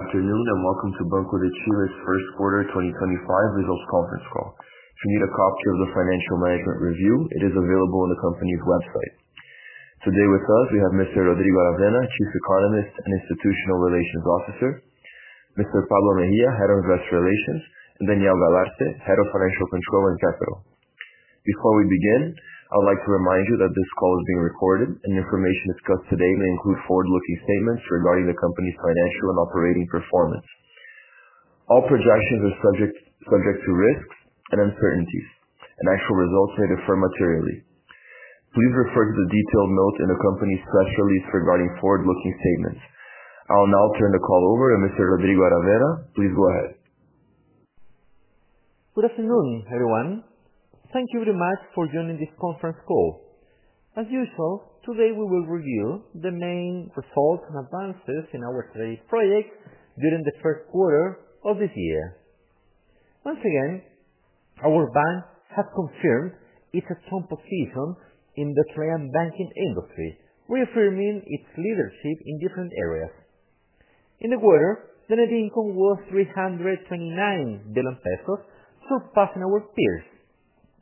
Afternoon and welcome to Banco de Chile's Q1 2025 Results Conference Call. If you need a copy of the financial management review, it is available on the company's website. Today with us, we have Mr. Rodrigo Aravena, Chief Economist and Institutional Relations Officer, Mr. Pablo Mejía, Head of Investor Relations, and Daniel Galarce, Head of Financial Control and Capital. Before we begin, I would like to remind you that this call is being recorded, and the information discussed today may include forward-looking statements regarding the company's financial and operating performance. All projections are subject to risks and uncertainties, and actual results may differ materially. Please refer to the detailed notes in the company's press release regarding forward-looking statements. I will now turn the call over, and Mr. Rodrigo Aravena, please go ahead. Good afternoon, everyone. Thank you very much for joining this conference call. As usual, today we will review the main results and advances in our strategic project during the Q1 of this year. Once again, our bank has confirmed its strong position in the client banking industry, reaffirming its leadership in different areas. In the quarter, the net income was 329 billion pesos, surpassing our peers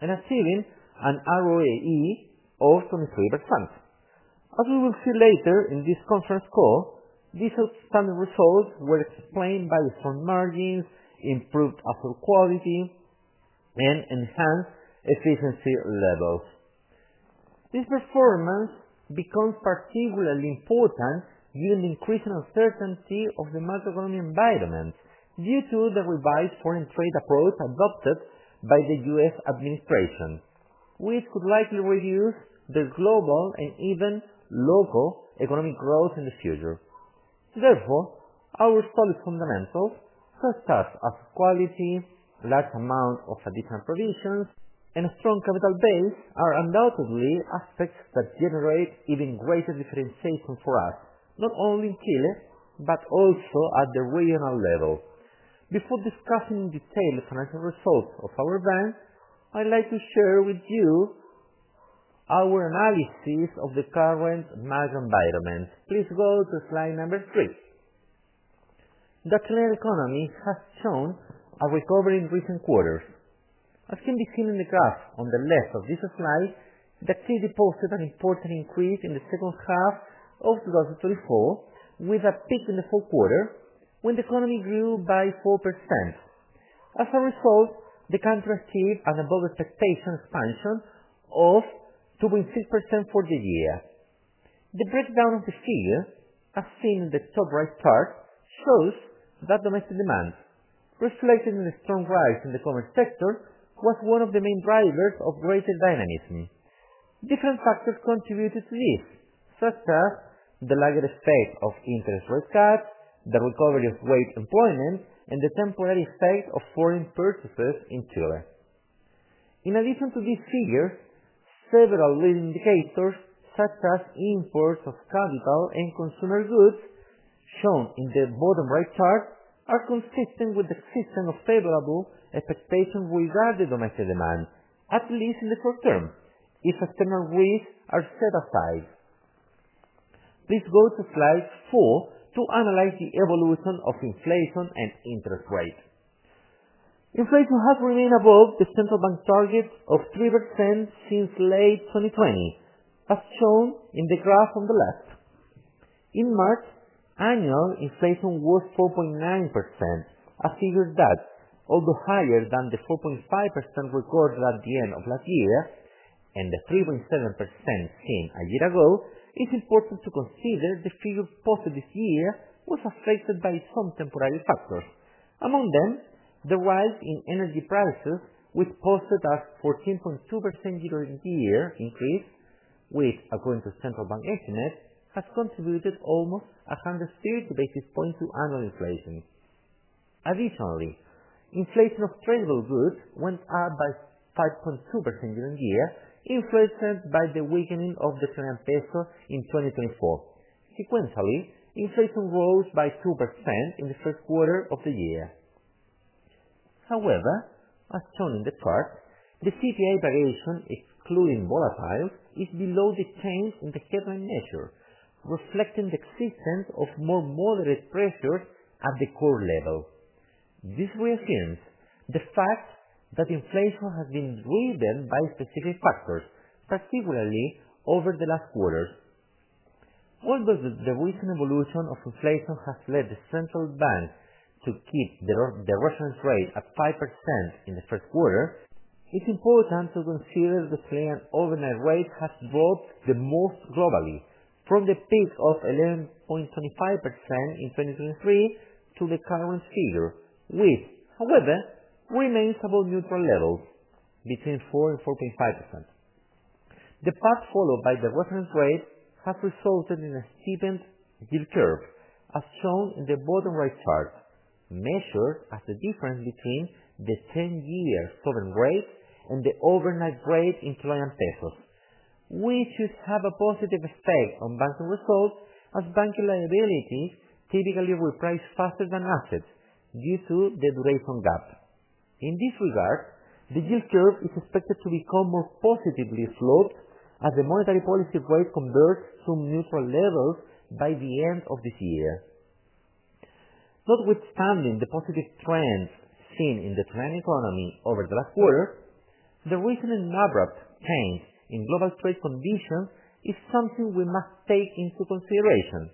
and achieving an ROAE of 23%. As we will see later in this conference call, these outstanding results were explained by strong margins, improved asset quality, and enhanced efficiency levels. This performance becomes particularly important given the increasing uncertainty of the macroeconomic environment due to the revised foreign trade approach adopted by the U.S. administration, which could likely reduce the global and even local economic growth in the future. Therefore, our solid fundamentals, such as asset quality, large amounts of additional provisions, and a strong capital base, are undoubtedly aspects that generate even greater differentiation for us, not only in Chile but also at the regional level. Before discussing in detail the financial results of our bank, I would like to share with you our analysis of the current macroenvironment. Please go to slide number three. The Chilean economy has shown a recovery in recent quarters. As can be seen in the graph on the left of this slide, the activity posted an important increase in the second half of 2024, with a peak in the Q4 when the economy grew by 4%. As a result, the country achieved an above-expectation expansion of 2.6% for the year. The breakdown of the figure, as seen in the top right part, shows that domestic demand, reflected in a strong rise in the commerce sector, was one of the main drivers of greater dynamism. Different factors contributed to this, such as the lagged effect of interest rate cuts, the recovery of aggregate employment, and the temporary effect of foreign purchases in Chile. In addition to these figures, several leading indicators, such as imports of capital and consumer goods, shown in the bottom right chart, are consistent with the existence of favorable expectations regarding domestic demand, at least in the short term, if external risks are set aside. Please go to slide four to analyze the evolution of inflation and interest rates. Inflation has remained above the central bank target of 3% since late 2020, as shown in the graph on the left. In March, annual inflation was 4.9%, a figure that, although higher than the 4.5% recorded at the end of last year and the 3.7% seen a year ago, it's important to consider the figure posted this year was affected by some temporary factors. Among them, the rise in energy prices, which posted a 14.2% year-on-year increase, which, according to central bank estimates, has contributed almost 130 basis points to annual inflation. Additionally, inflation of tradable goods went up by 5.2% year-on-year, influenced by the weakening of the Chilean peso in 2024. Sequentially, inflation rose by 2% in the Q1 of the year. However, as shown in the chart, the CPI variation, excluding volatiles, is below the change in the headline measure, reflecting the existence of more moderate pressures at the core level. This reassures the fact that inflation has been driven by specific factors, particularly over the last quarters. Although the recent evolution of inflation has led the central bank to keep the reference rate at 5% in the Q1, it's important to consider that the Chilean overnight rate has dropped the most globally, from the peak of 11.25% in 2023 to the current figure, which, however, remains above neutral levels, between 4% and 4.5%. The path followed by the reference rate has resulted in a steepened yield curve, as shown in the bottom right chart, measured as the difference between the 10-year sovereign rate and the overnight rate in Chilean pesos, which should have a positive effect on banking results, as banking liabilities typically reprice faster than assets due to the duration gap. In this regard, the yield curve is expected to become more positively sloped as the monetary policy rate converts to neutral levels by the end of this year. Notwithstanding the positive trends seen in the Chilean economy over the last quarter, the recent and abrupt change in global trade conditions is something we must take into consideration,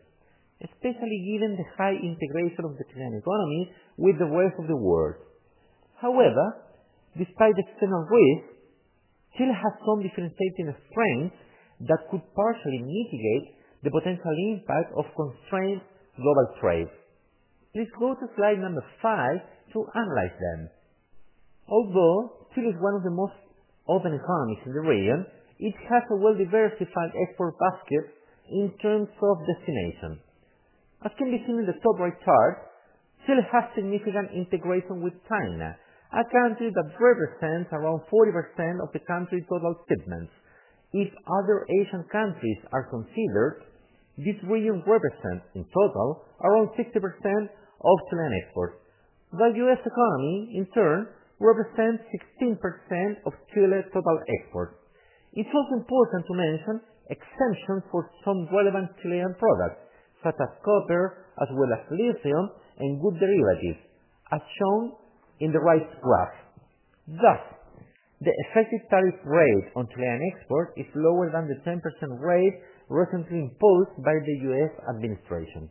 especially given the high integration of the Chilean economy with the rest of the world. However, despite the external risk, Chile has some differentiating strengths that could partially mitigate the potential impact of constrained global trade. Please go to slide number five to analyze them. Although Chile is one of the most open economies in the region, it has a well-diversified export basket in terms of destination. As can be seen in the top right chart, Chile has significant integration with China, a country that represents around 40% of the country's total shipments. If other Asian countries are considered, this region represents, in total, around 60% of Chilean exports. The U.S. economy, in turn, represents 16% of Chile's total exports. It's also important to mention exemptions for some relevant Chilean products, such as copper, as well as lithium and wood derivatives, as shown in the right graph. Thus, the effective tariff rate on Chilean exports is lower than the 10% rate recently imposed by the U.S. administration.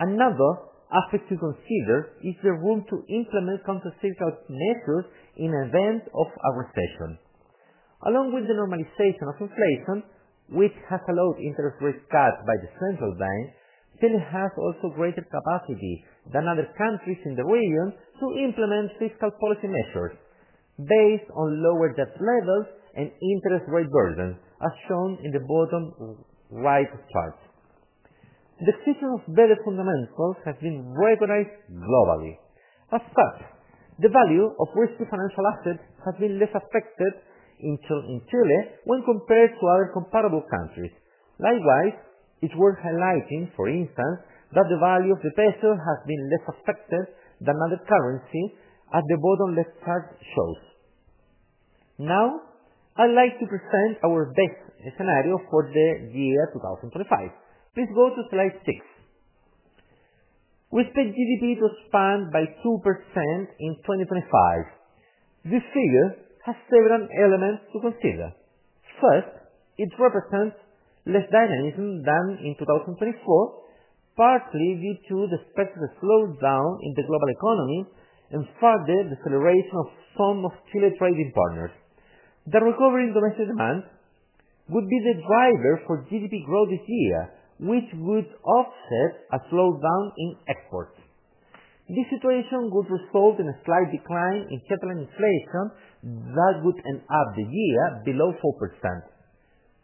Another aspect to consider is the room to implement countercyclical measures in the event of a recession. Along with the normalization of inflation, which has allowed interest rate cuts by the central bank, Chile has also greater capacity than other countries in the region to implement fiscal policy measures based on lower debt levels and interest rate burden, as shown in the bottom right chart. The [inaudible] very fundamental has been [inaudible] globally. As such, the value of risky financial assets has been less affected in Chile when compared to other comparable countries. Likewise, it's worth highlighting, for instance, that the value of the peso has been less affected than other currencies, as the bottom left chart shows. Now, I'd like to present our best scenario for the year 2025. Please go to slide six. We expect GDP to expand by 2% in 2025. This figure has several elements to consider. First, it represents less dynamism than in 2024, partly due to the expected slowdown in the global economy and further deceleration of some of Chile's trading partners. The recovering domestic demand would be the driver for GDP growth this year, which would offset a slowdown in exports. This situation would result in a slight decline in CPI inflation that would end up the year below 4%.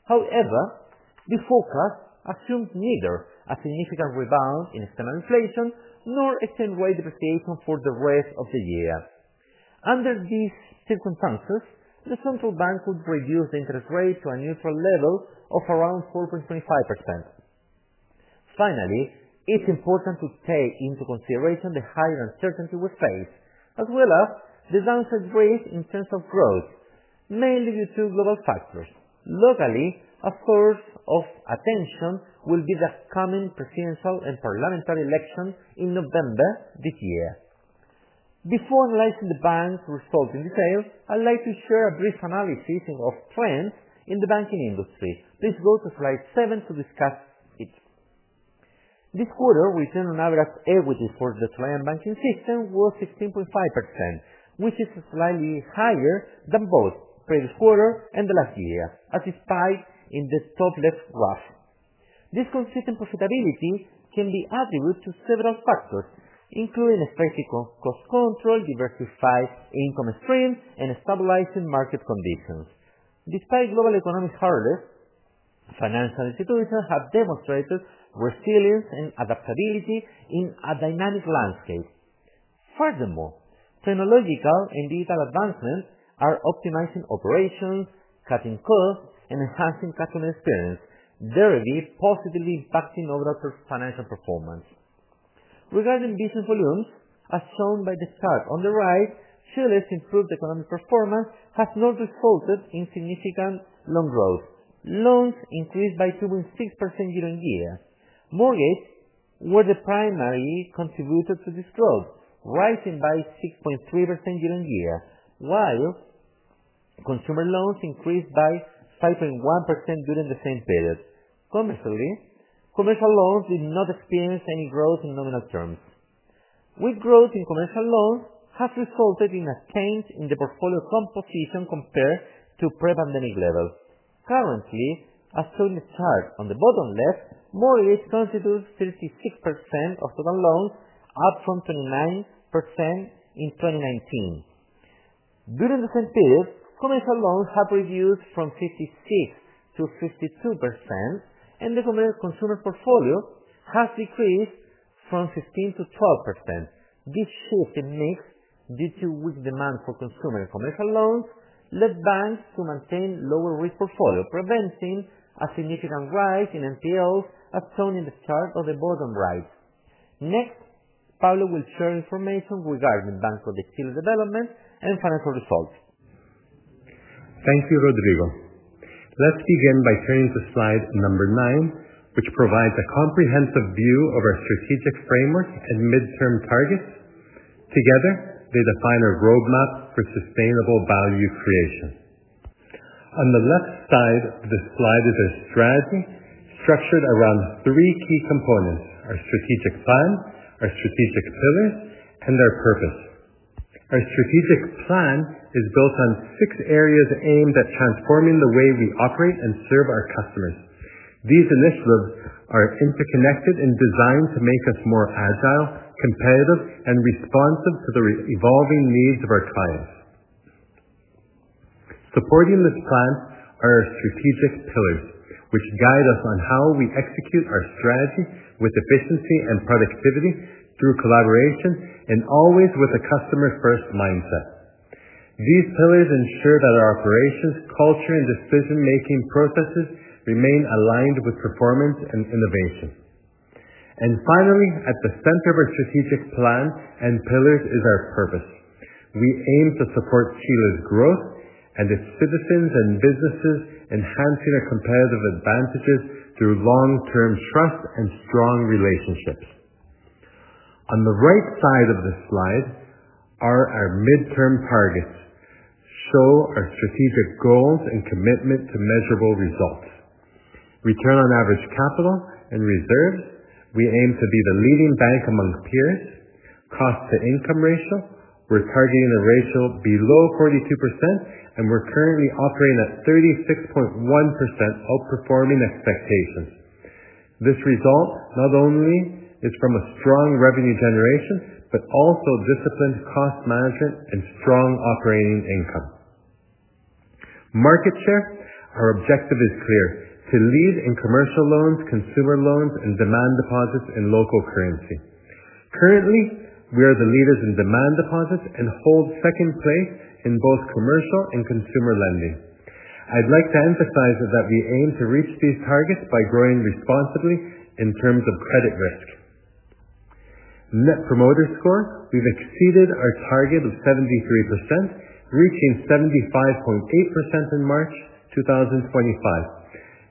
However, the forecast assumes neither a significant rebound in external inflation nor extreme rate depreciation for the rest of the year. Under these circumstances, the central bank would reduce the interest rate to a neutral level of around 4.25%. Finally, it's important to take into consideration the higher uncertainty we face, as well as the downside risk in terms of growth, mainly due to global factors. Locally, a source of attention will be the upcoming presidential and parliamentary election in November this year. Before analyzing the bank's result in detail, I'd like to share a brief analysis of trends in the banking industry. Please go to slide seven to discuss it. This quarter return on average equity for the Chilean banking system was 16.5%, which is slightly higher than both previous quarter and the last year, as depicted in the top left graph. This consistent profitability can be attributed to several factors, including effective cost control, diversified income streams, and stabilizing market conditions. Despite global economic hardships, financial institutions have demonstrated resilience and adaptability in a dynamic landscape. Furthermore, technological and digital advancements are optimizing operations, cutting costs, and enhancing customer experience, directly positively impacting overall financial performance. Regarding business volumes, as shown by the chart on the right, Chile's improved economic performance has not resulted in significant loan growth. Loans increased by 2.6% year-on-year. Mortgages were the primary contributor to this growth, rising by 6.3% year-on-year, while consumer loans increased by 5.1% during the same period. Commercially, commercial loans did not experience any growth in nominal terms. Weak growth in commercial loans has resulted in a change in the portfolio composition compared to pre-pandemic levels. Currently, as shown in the chart on the bottom left, mortgages constitute 36% of total loans, up from 29% in 2019. During the same period, commercial loans have reduced from 56% to 52%, and the consumer portfolio has decreased from 15% to 12%. This shift in mix, due to weak demand for consumer and commercial loans, led banks to maintain lower-risk portfolios, preventing a significant rise in NPLs, as shown in the chart on the bottom right. Next, Pablo will share information regarding Banco de Chile's development and financial results. Thank you, Rodrigo. Let's begin by turning to slide number nine, which provides a comprehensive view of our strategic framework and midterm targets. Together, they define a roadmap for sustainable value creation. On the left side of the slide is our strategy, structured around three key components: our strategic plan, our strategic pillars, and our purpose. Our strategic plan is built on six areas aimed at transforming the way we operate and serve our customers. These initiatives are interconnected and designed to make us more agile, competitive, and responsive to the evolving needs of our clients. Supporting this plan are our strategic pillars, which guide us on how we execute our strategy with efficiency and productivity through collaboration and always with a customer-first mindset. These pillars ensure that our operations, culture, and decision-making processes remain aligned with performance and innovation, and finally, at the center of our strategic plan and pillars is our purpose. We aim to support Chile's growth and its citizens and businesses, enhancing our competitive advantages through long-term trust and strong relationships. On the right side of the slide are our midterm targets, show our strategic goals and commitment to measurable results. Return on average capital and reserves, we aim to be the leading bank among peers. Cost-to-Income Ratio, we're targeting a ratio below 42%, and we're currently operating at 36.1%, outperforming expectations. This result not only is from a strong revenue generation, but also disciplined cost management and strong operating income. Market share, our objective is clear: to lead in commercial loans, consumer loans, and demand deposits in local currency. Currently, we are the leaders in demand deposits and hold second place in both commercial and consumer lending. I'd like to emphasize that we aim to reach these targets by growing responsibly in terms of credit risk. Net Promoter Score, we've exceeded our target of 73%, reaching 75.8% in March 2025.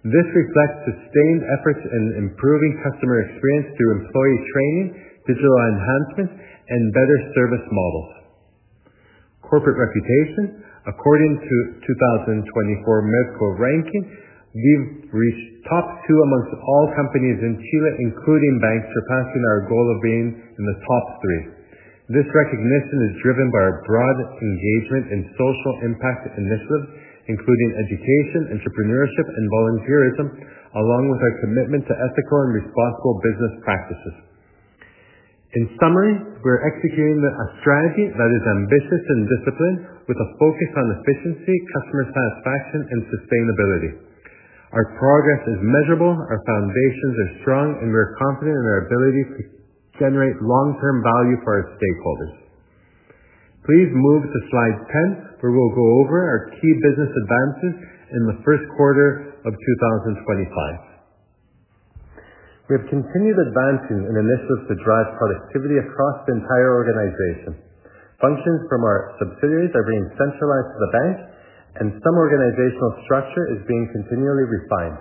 This reflects sustained efforts in improving customer experience through employee training, digital enhancements, and better service models. Corporate reputation, according to 2024 Merco ranking, we've reached top two among all companies in Chile, including banks, surpassing our goal of being in the top three. This recognition is driven by our broad engagement and social impact initiatives, including education, entrepreneurship, and volunteerism, along with our commitment to ethical and responsible business practices. In summary, we're executing a strategy that is ambitious and disciplined, with a focus on efficiency, customer satisfaction, and sustainability. Our progress is measurable, our foundations are strong, and we're confident in our ability to generate long-term value for our stakeholders. Please move to slide 10, where we'll go over our key business advances in the Q1 of 2025. We have continued advancing in initiatives to drive productivity across the entire organization. Functions from our subsidiaries are being centralized to the bank, and some organizational structure is being continually refined.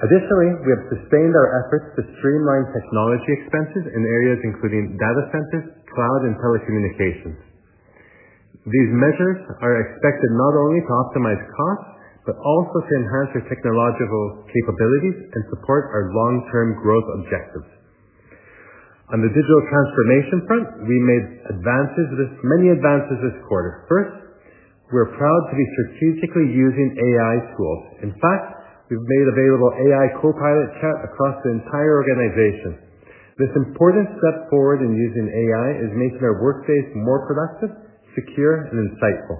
Additionally, we have sustained our efforts to streamline technology expenses in areas including data centers, cloud, and telecommunications. These measures are expected not only to optimize costs, but also to enhance our technological capabilities and support our long-term growth objectives. On the digital transformation front, we made many advances this quarter. First, we're proud to be strategically using AI tools. In fact, we've made available AI Copilot chat across the entire organization. This important step forward in using AI is making our workdays more productive, secure, and insightful.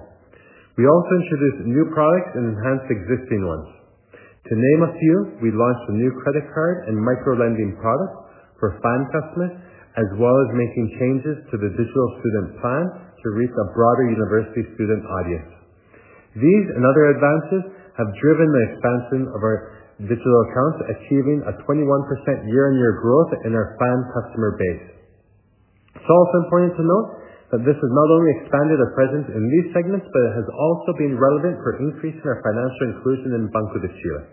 We also introduced new products and enhanced existing ones. To name a few, we launched a new credit card and micro-lending product for FAN customers, as well as making changes to the digital student plan to reach a broader university student audience. These and other advances have driven the expansion of our digital accounts, achieving a 21% year-on-year growth in our FAN customer base. It's also important to note that this has not only expanded our presence in these segments, but it has also been relevant for increasing our financial inclusion in Banco de Chile.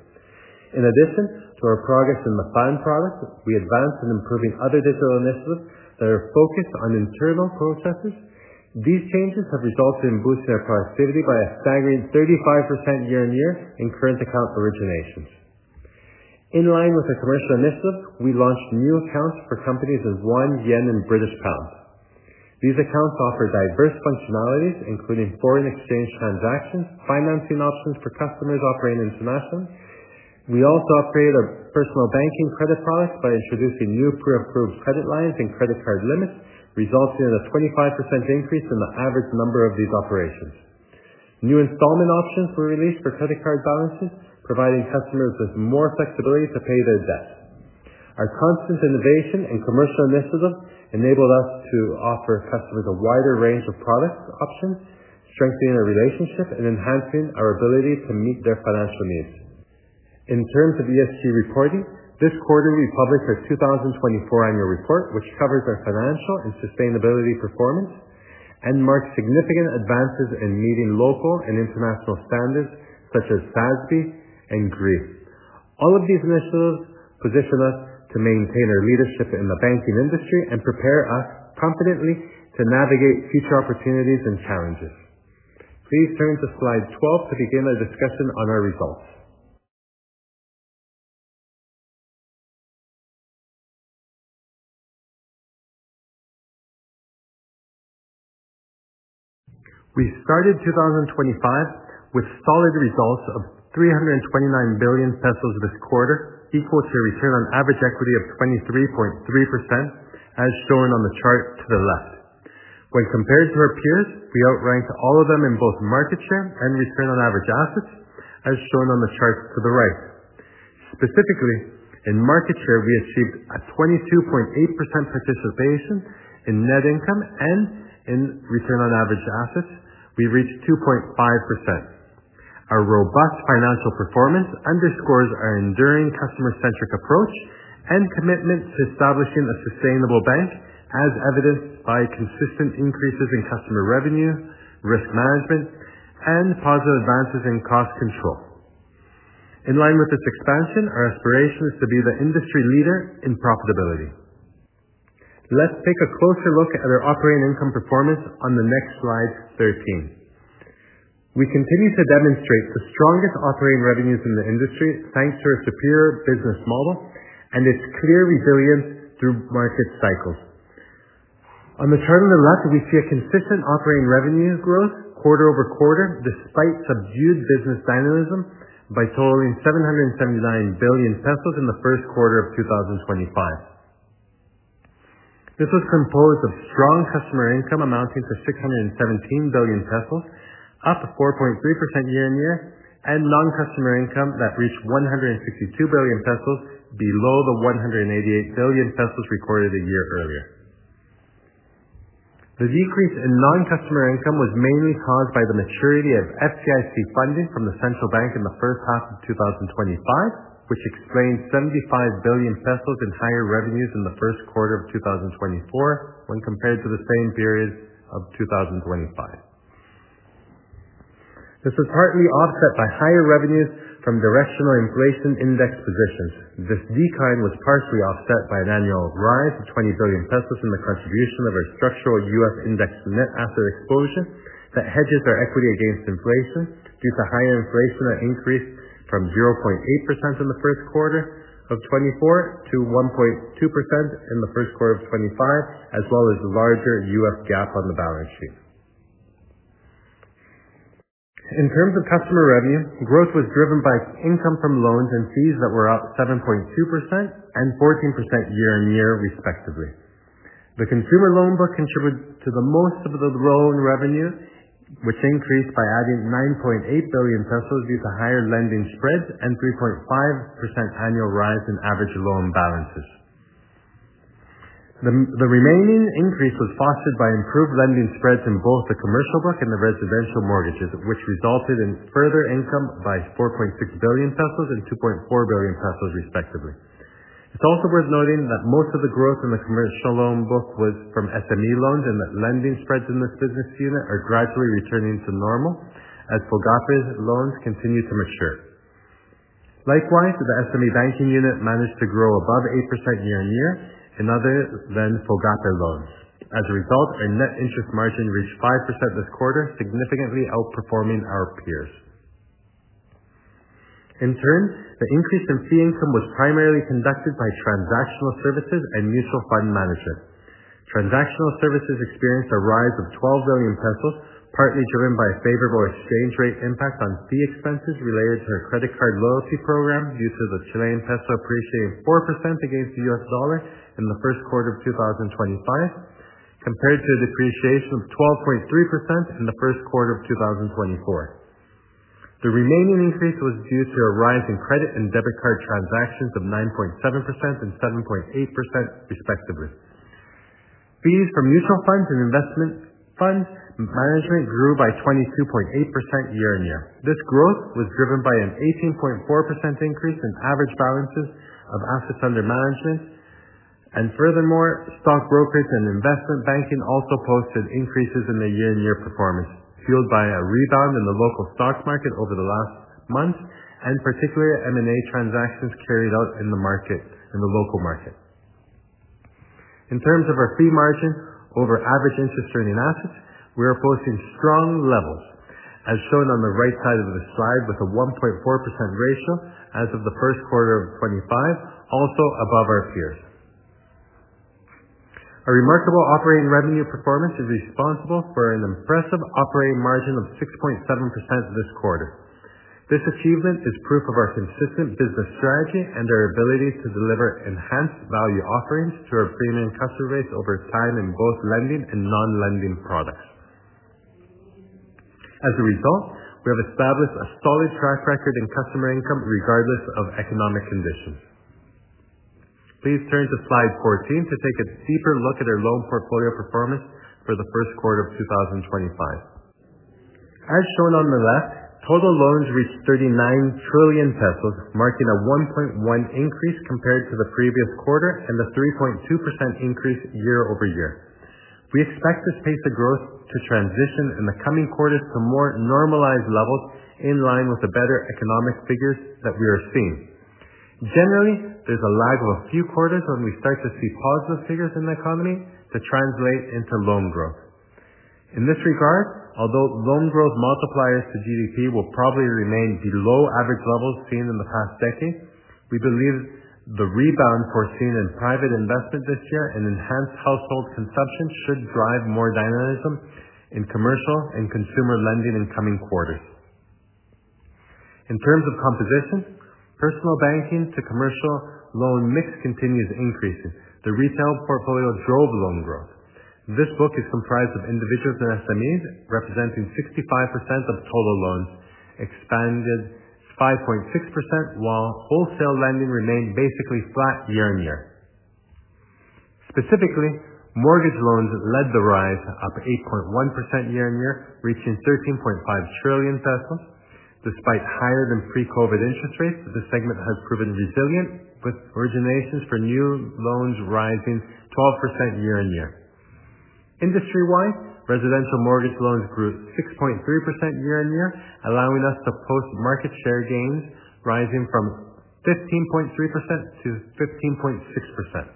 In addition to our progress in the FAN product, we advance in improving other digital initiatives that are focused on internal processes. These changes have resulted in boosting our productivity by a staggering 35% year-on-year in current account originations. In line with our commercial initiatives, we launched new accounts for companies in USD, yen, and British pound. These accounts offer diverse functionalities, including foreign exchange transactions, financing options for customers operating internationally. We also upgraded our personal banking credit products by introducing new pre-approved credit lines and credit card limits, resulting in a 25% increase in the average number of these operations. New installment options were released for credit card balances, providing customers with more flexibility to pay their debt. Our constant innovation and commercial initiatives enabled us to offer customers a wider range of product options, strengthening our relationship and enhancing our ability to meet their financial needs. In terms of ESG reporting, this quarter we published our 2024 annual report, which covers our financial and sustainability performance and marked significant advances in meeting local and international standards such as SASB and GRI. All of these initiatives position us to maintain our leadership in the banking industry and prepare us confidently to navigate future opportunities and challenges. Please turn to slide 12 to begin our discussion on our results. We started 2025 with solid results of 329 billion pesos this quarter, equal to a return on average equity of 23.3%, as shown on the chart to the left. When compared to our peers, we outranked all of them in both market share and return on average assets, as shown on the chart to the right. Specifically, in market share, we achieved a 22.8% participation in net income, and in return on average assets, we reached 2.5%. Our robust financial performance underscores our enduring customer-centric approach and commitment to establishing a sustainable bank, as evidenced by consistent increases in customer revenue, risk management, and positive advances in cost control. In line with this expansion, our aspiration is to be the industry leader in profitability. Let's take a closer look at our operating income performance on the next slide 13. We continue to demonstrate the strongest operating revenues in the industry thanks to our superior business model and its clear resilience through market cycles. On the chart on the left, we see a consistent operating revenue growth quarter-over-quarter, despite subdued business dynamism, by totaling 779 billion pesos in the Q1 of 2025. This was composed of strong customer income amounting to 617 billion pesos, up 4.3% year-on-year, and non-customer income that reached 162 billion pesos, below the 188 billion pesos recorded a year earlier. The decrease in non-customer income was mainly caused by the maturity of FCIC funding from the central bank in the first half of 2025, which explained 75 billion pesos in higher revenues in the Q1 of 2024 when compared to the same period of 2025. This was partly offset by higher revenues from directional inflation index positions. This decline was partially offset by an annual rise of 20 billion pesos in the contribution of our structural U.S. index net asset exposure that hedges our equity against inflation due to higher inflation that increased from 0.8% in the Q1 of 2024 to 1.2% in the Q1 of 2025, as well as the larger UF gap on the balance sheet. In terms of customer revenue, growth was driven by income from loans and fees that were up 7.2% and 14% year-on-year, respectively. The consumer loan book contributed to the most of the loan revenue, which increased by adding 9.8 billion pesos due to higher lending spreads and 3.5% annual rise in average loan balances. The remaining increase was fostered by improved lending spreads in both the commercial book and the residential mortgages, which resulted in further income by 4.6 billion pesos and 2.4 billion pesos, respectively. It's also worth noting that most of the growth in the commercial loan book was from SME loans, and that lending spreads in this business unit are gradually returning to normal as FOGAPE loans continue to mature. Likewise, the SME banking unit managed to grow above 8% year-on-year in other than FOGAPE loans. As a result, our net interest margin reached 5% this quarter, significantly outperforming our peers. In turn, the increase in fee income was primarily conducted by transactional services and mutual fund management. Transactional services experienced a rise of 12 billion pesos, partly driven by a favorable exchange rate impact on fee expenses related to our credit card loyalty program due to the Chilean peso appreciating 4% against the U.S. dollar in the Q1 of 2025, compared to a depreciation of 12.3% in the Q1 of 2024. The remaining increase was due to a rise in credit and debit card transactions of 9.7% and 7.8%, respectively. Fees for mutual funds and investment funds management grew by 22.8% year-on-year. This growth was driven by an 18.4% increase in average balances of assets under management. Furthermore, stock brokers and investment banking also posted increases in their year-on-year performance, fueled by a rebound in the local stock market over the last months, and particularly M&A transactions carried out in the local market. In terms of our fee margin over average interest-earning assets, we are posting strong levels, as shown on the right side of the slide, with a 1.4% ratio as of the Q1 of 2025, also above our peers. Our remarkable operating revenue performance is responsible for an impressive operating margin of 6.7% this quarter. This achievement is proof of our consistent business strategy and our ability to deliver enhanced value offerings to our premium customer base over time in both lending and non-lending products. As a result, we have established a solid track record in customer income regardless of economic conditions. Please turn to slide 14 to take a deeper look at our loan portfolio performance for the Q1 of 2025. As shown on the left, total loans reached 39 trillion pesos, marking a 1.1% increase compared to the previous quarter and a 3.2% increase year-over-year. We expect this pace of growth to transition in the coming quarters to more normalized levels in line with the better economic figures that we are seeing. Generally, there's a lag of a few quarters when we start to see positive figures in the economy to translate into loan growth. In this regard, although loan growth multipliers to GDP will probably remain below average levels seen in the past decade, we believe the rebound foreseen in private investment this year and enhanced household consumption should drive more dynamism in commercial and consumer lending in coming quarters. In terms of composition, personal banking-to-commercial loan mix continues increasing. The retail portfolio drove loan growth. This book is comprised of individuals and SMEs, representing 65% of total loans, expanded 5.6%, while wholesale lending remained basically flat year-on-year. Specifically, mortgage loans led the rise, up 8.1% year-on-year, reaching 13.5 trillion pesos. Despite higher than pre-COVID interest rates, this segment has proven resilient, with originations for new loans rising 12% year-on-year. Industry-wise, residential mortgage loans grew 6.3% year-on-year, allowing us to post market share gains, rising from 15.3% to 15.6%.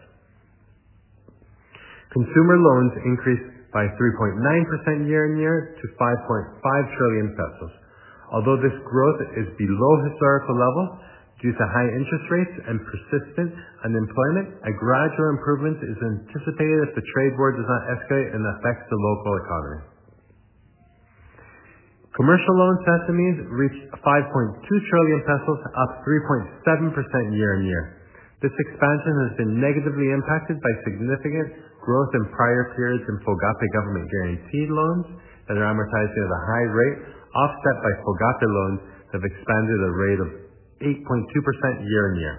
Consumer loans increased by 3.9% year-on-year to 5.5 trillion pesos. Although this growth is below historical levels due to high interest rates and persistent unemployment, a gradual improvement is anticipated if the trade war does not escalate and affect the local economy. Commercial loans to SMEs reached 5.2 trillion pesos, up 3.7% year-on-year. This expansion has been negatively impacted by significant growth in prior periods in FOGAPE government guaranteed loans that are amortized at a high rate, offset by FOGAPE loans that have expanded the rate of 8.2% year-on-year.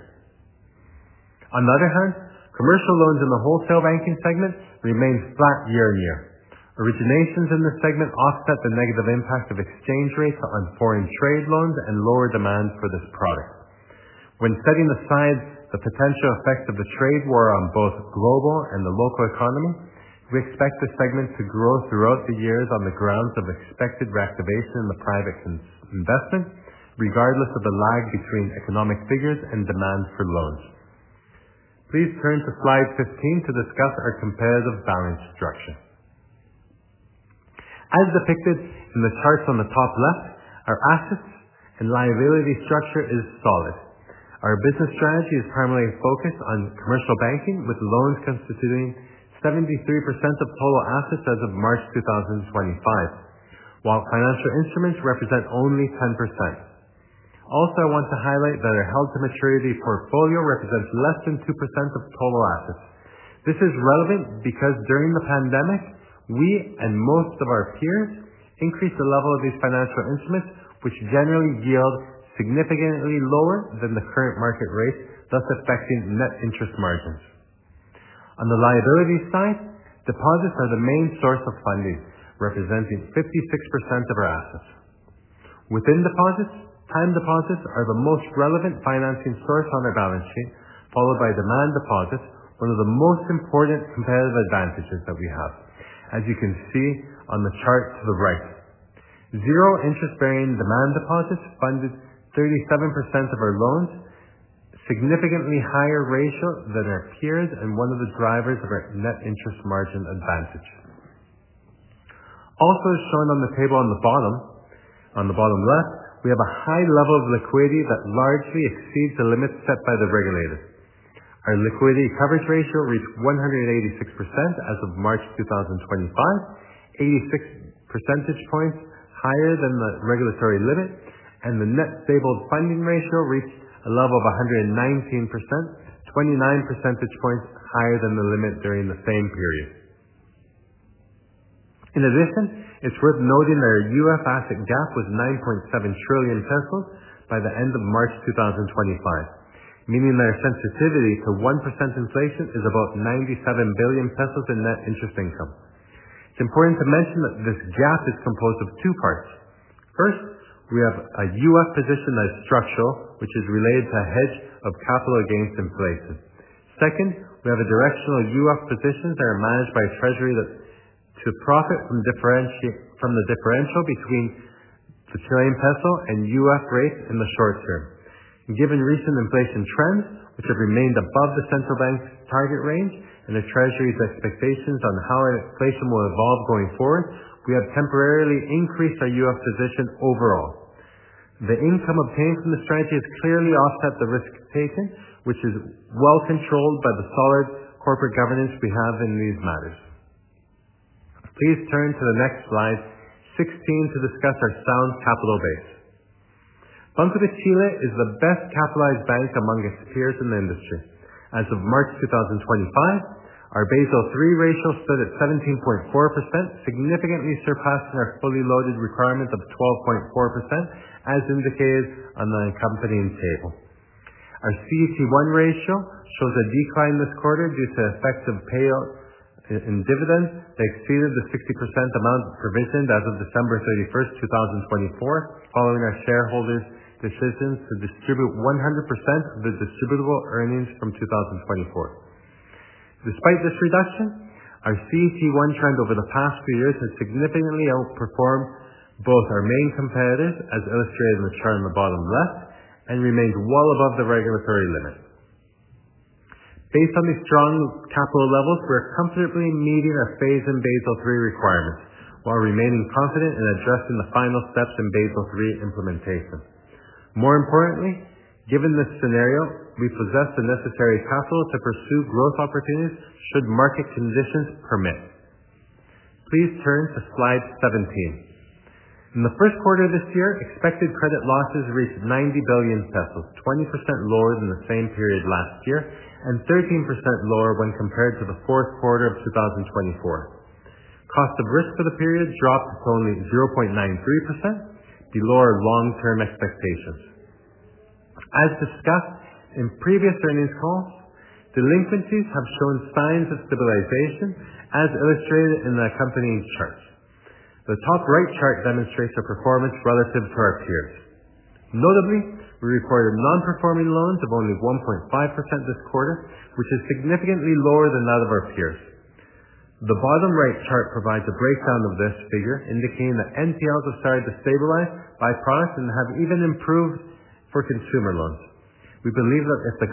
On the other hand, commercial loans in the wholesale banking segment remained flat year-on-year. Originations in this segment offset the negative impact of exchange rates on foreign trade loans and lower demand for this product. When setting aside the potential effects of the trade war on both global and the local economy, we expect this segment to grow throughout the years on the grounds of expected reactivation in the private investment, regardless of the lag between economic figures and demand for loans. Please turn to slide 15 to discuss our comparative balance structure. As depicted in the charts on the top left, our assets and liability structure is solid. Our business strategy is primarily focused on commercial banking, with loans constituting 73% of total assets as of March 2025, while financial instruments represent only 10%. Also, I want to highlight that our held-to-maturity portfolio represents less than 2% of total assets. This is relevant because during the pandemic, we and most of our peers increased the level of these financial instruments, which generally yield significantly lower than the current market rates, thus affecting net interest margins. On the liability side, deposits are the main source of funding, representing 56% of our assets. Within deposits, time deposits are the most relevant financing source on our balance sheet, followed by demand deposits, one of the most important comparative advantages that we have, as you can see on the chart to the right. Zero-interest bearing demand deposits funded 37% of our loans, a significantly higher ratio than our peers and one of the drivers of our net interest margin advantage. Also shown on the table on the bottom, on the bottom left, we have a high level of liquidity that largely exceeds the limits set by the regulator. Our liquidity coverage ratio reached 186% as of March 2025, 86 percentage points higher than the regulatory limit, and the net stable funding ratio reached a level of 119%, 29 percentage points higher than the limit during the same period. In addition, it's worth noting that our UF asset gap was 9.7 trillion pesos by the end of March 2025, meaning that our sensitivity to 1% inflation is about 97 billion pesos in net interest income. It's important to mention that this gap is composed of two parts. First, we have a UF position that is structural, which is related to a hedge of capital against inflation. Second, we have a directional UF position that is managed by Treasury to profit from the differential between the Chilean peso and UF rates in the short term. Given recent inflation trends, which have remained above the central bank's target range and the Treasury's expectations on how inflation will evolve going forward, we have temporarily increased our UF position overall. The income obtained from the strategy has clearly offset the risk taken, which is well controlled by the solid corporate governance we have in these matters. Please turn to the next slide, 16, to discuss our sound capital base. Banco de Chile is the best capitalized bank among its peers in the industry. As of March 2025, our Basel III ratio stood at 17.4%, significantly surpassing our fully loaded requirement of 12.4%, as indicated on the accompanying table. Our CET1 ratio shows a decline this quarter due to effects of payout in dividends that exceeded the 60% amount provisioned as of December 31, 2024, following our shareholders' decisions to distribute 100% of the distributable earnings from 2024. Despite this reduction, our CET1 trend over the past few years has significantly outperformed both our main competitors, as illustrated in the chart on the bottom left, and remained well above the regulatory limit. Based on these strong capital levels, we are comfortably meeting our phase in Basel III requirements, while remaining confident in addressing the final steps in Basel III implementation. More importantly, given this scenario, we possess the necessary capital to pursue growth opportunities should market conditions permit. Please turn to slide 17. In the Q1 of this year, expected credit losses reached 90 billion pesos, 20% lower than the same period last year and 13% lower when compared to the Q4 of 2024. Cost of risk for the period dropped to only 0.93%, below our long-term expectations. As discussed in previous earnings calls, delinquencies have shown signs of stabilization, as illustrated in the accompanying charts. The top right chart demonstrates our performance relative to our peers. Notably, we recorded non-performing loans of only 1.5% this quarter, which is significantly lower than that of our peers. The bottom right chart provides a breakdown of this figure, indicating that NPLs have started to stabilize by products and have even improved for consumer loans. We believe that if the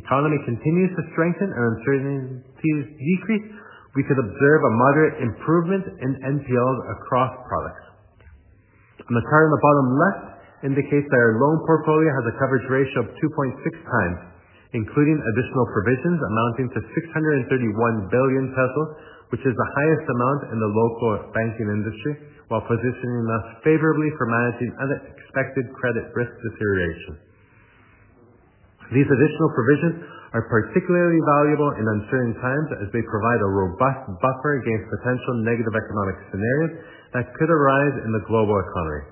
economy continues to strengthen and uncertainties decrease, we could observe a moderate improvement in NPLs across products. The chart on the bottom left indicates that our loan portfolio has a coverage ratio of 2.6 times, including additional provisions amounting to 631 billion pesos, which is the highest amount in the local banking industry, while positioning us favorably for managing unexpected credit risk deterioration. These additional provisions are particularly valuable in uncertain times as they provide a robust buffer against potential negative economic scenarios that could arise in the global economy.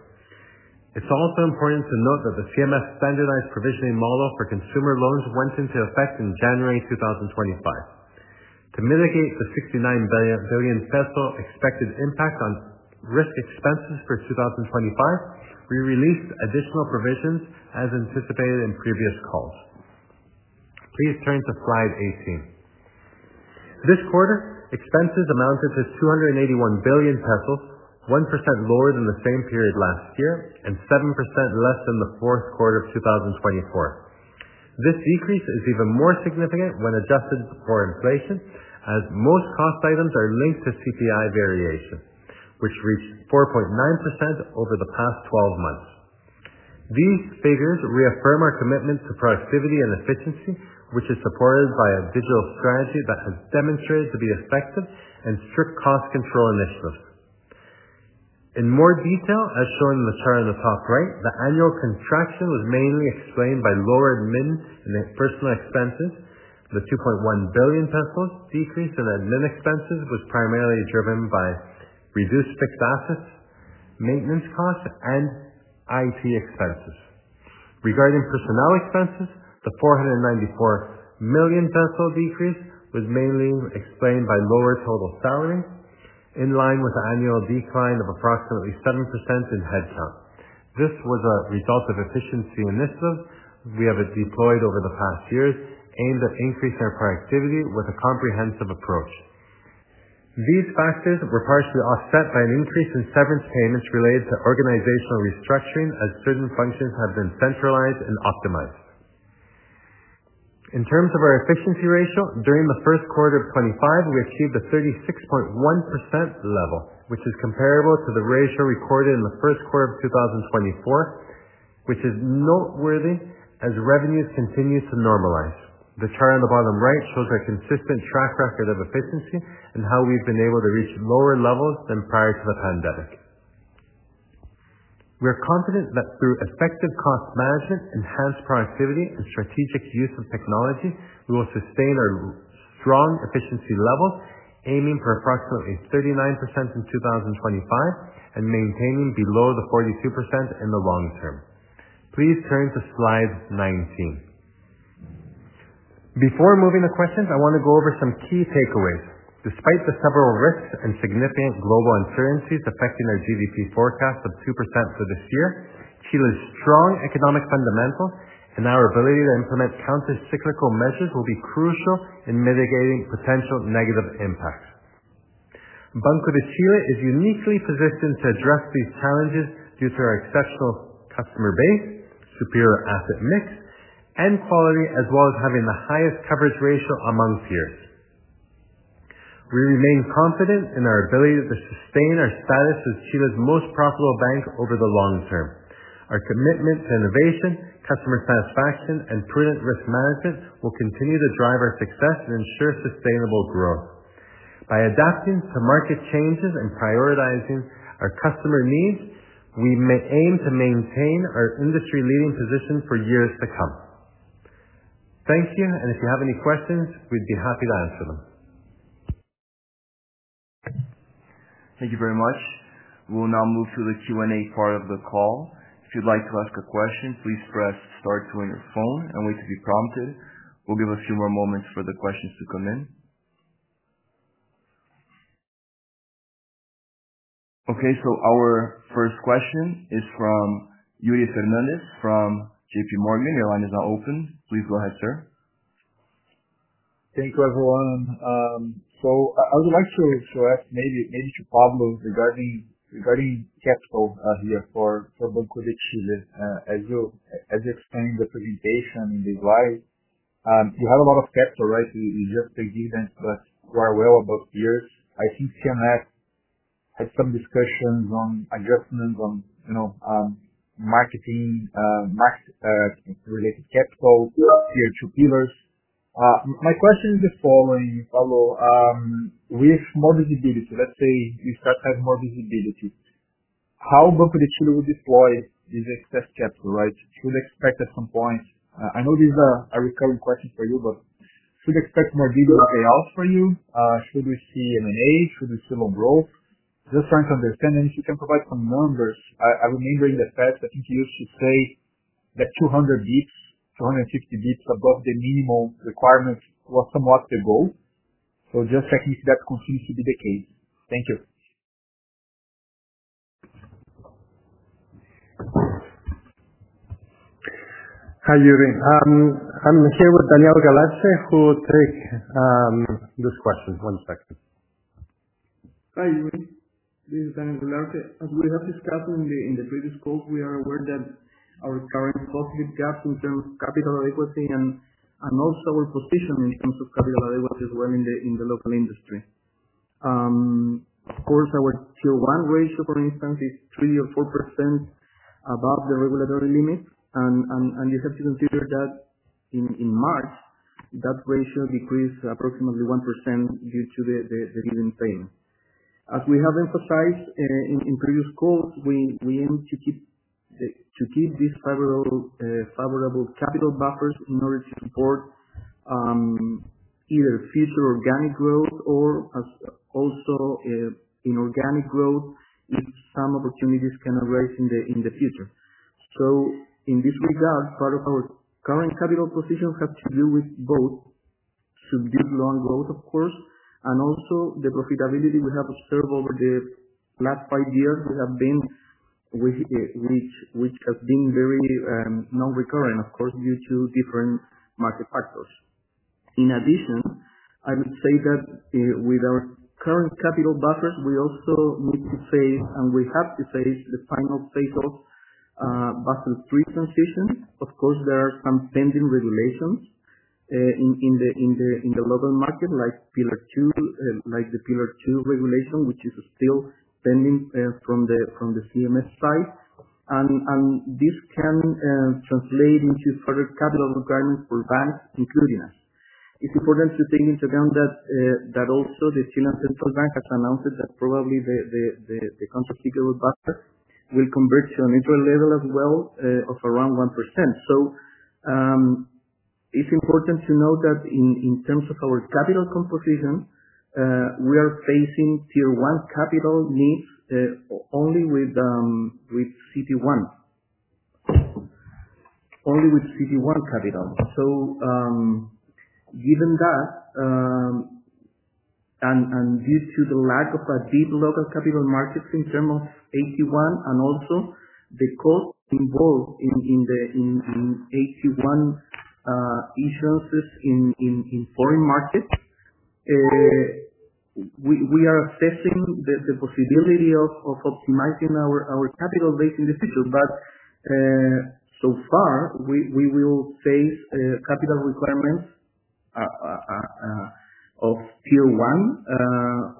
It's also important to note that the CMF standardized provisioning model for consumer loans went into effect in January 2025. To mitigate the 69 billion pesos expected impact on risk expenses for 2025, we released additional provisions as anticipated in previous calls. Please turn to slide 18. This quarter, expenses amounted to 281 billion pesos, 1% lower than the same period last year and 7% less than the Q4 of 2024. This decrease is even more significant when adjusted for inflation, as most cost items are linked to CPI variation, which reached 4.9% over the past 12 months. These figures reaffirm our commitment to productivity and efficiency, which is supported by a digital strategy that has demonstrated to be effective and strict cost control initiatives. In more detail, as shown in the chart on the top right, the annual contraction was mainly explained by lower admin and personnel expenses. The 2.1 billion pesos decrease in admin expenses was primarily driven by reduced fixed assets, maintenance costs, and IT expenses. Regarding personnel expenses, the 494 million peso decrease was mainly explained by lower total salary, in line with an annual decline of approximately 7% in headcount. This was a result of efficiency initiatives we have deployed over the past years, aimed at increasing our productivity with a comprehensive approach. These factors were partially offset by an increase in severance payments related to organizational restructuring, as certain functions have been centralized and optimized. In terms of our efficiency ratio, during the Q1 of 2025, we achieved a 36.1% level, which is comparable to the ratio recorded in the Q1 of 2024, which is noteworthy as revenues continue to normalize. The chart on the bottom right shows our consistent track record of efficiency and how we've been able to reach lower levels than prior to the pandemic. We're confident that through effective cost management, enhanced productivity, and strategic use of technology, we will sustain our strong efficiency levels, aiming for approximately 39% in 2025 and maintaining below the 42% in the long term. Please turn to slide 19. Before moving to questions, I want to go over some key takeaways. Despite the several risks and significant global uncertainties affecting our GDP forecast of 2% for this year, Chile's strong economic fundamentals and our ability to implement countercyclical measures will be crucial in mitigating potential negative impacts. Banco de Chile is uniquely positioned to address these challenges due to our exceptional customer base, superior asset mix, and quality, as well as having the highest coverage ratio among peers. We remain confident in our ability to sustain our status as Chile's most profitable bank over the long term. Our commitment to innovation, customer satisfaction, and prudent risk management will continue to drive our success and ensure sustainable growth. By adapting to market changes and prioritizing our customer needs, we may aim to maintain our industry-leading position for years to come. Thank you, and if you have any questions, we'd be happy to answer them. Thank you very much. We'll now move to the Q&A part of the call. If you'd like to ask a question, please press star to on your phone and wait to be prompted. We'll give a few more moments for the questions to come in. Okay, so our first question is from Yuri Fernandes from JPMorgan. Your line is now open. Please go ahead, sir. Thank you, everyone. So I would like to ask maybe to Pablo regarding capital here for Banco de Chile. As you explained the presentation in this slide, you have a lot of capital, right? You just pay dividends, but you are well above peers. I think CMF had some discussions on adjustments on market-related capital, Tier 2 pillars. My question is the following, Pablo. With more visibility, let's say you start to have more visibility, how Banco de Chile would deploy this excess capital, right? Should we expect at some point? I know this is a recurring question for you, but should we expect more dividend payouts for you? Should we see M&A? Should we see loan growth? Just trying to understand and if you can provide some numbers. I remember in the past, I think you used to say that 200 basis points, 250 basis points above the minimum requirement was somewhat the goal. Just checking if that continues to be the case. Thank you. Hi, Yuri. I'm here with Daniel Galarce, who will take this question. One second. Hi, Yuri. This is Daniel Galarce. As we have discussed in the previous calls, we are aware that our current positive gaps in terms of capital adequacy and also our position in terms of capital adequacy as well in the local industry. Of course, our Tier 1 ratio, for instance, is 3% or 4% above the regulatory limit. You have to consider that in March, that ratio decreased approximately 1% due to the dividend payment. As we have emphasized in previous calls, we aim to keep these favorable capital buffers in order to support either future organic growth or also inorganic growth if some opportunities can arise in the future. So in this regard, part of our current capital positions have to do with both subdued loan growth, of course, and also the profitability we have observed over the last five years which has been very non-recurrent, of course, due to different market factors. In addition, I would say that with our current capital buffers, we also need to face, and we have to face, the final phase of Basel III transition. Of course, there are some pending regulations in the local market, like pillar two, like the pillar two regulation, which is still pending from the CMF side. And this can translate into further capital requirements for banks, including us. It's important to take into account that also the Chilean central bank has announced that probably the countercyclical buffer will convert to an neutral level as well of around 1%. So it's important to note that in terms of our capital composition, we are facing tier one capital needs only with CET1, only with CET1 capital. So given that, and due to the lack of a deep local capital markets in terms of AT1, and also the cost involved in AT1 issuances in foreign markets, we are assessing the possibility of optimizing our capital base in the future. But so far, we will face capital requirements of Tier 1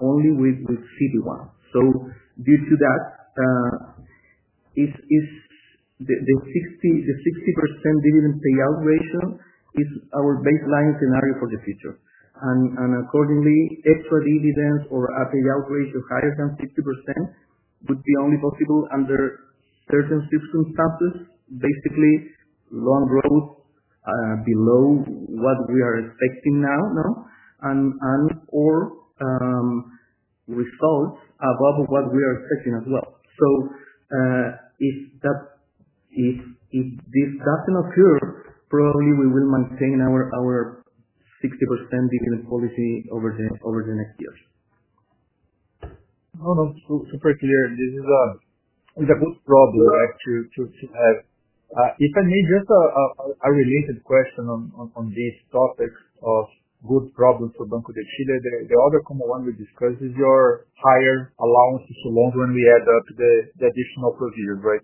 only with CET1. So due to that, the 60% dividend payout ratio is our baseline scenario for the future. And accordingly, extra dividends or a payout ratio higher than 60% would be only possible under certain circumstances, basically loan growth below what we are expecting now, and/or results above what we are expecting as well. So if this doesn't occur, probably we will maintain our 60% dividend policy over the next years. No, no, super clear. This is a good problem to have. If I may, just a related question on this topic of good problems for Banco de Chile. The other common one we discussed is your higher allowance is so strong when we add up the additional provisions, right?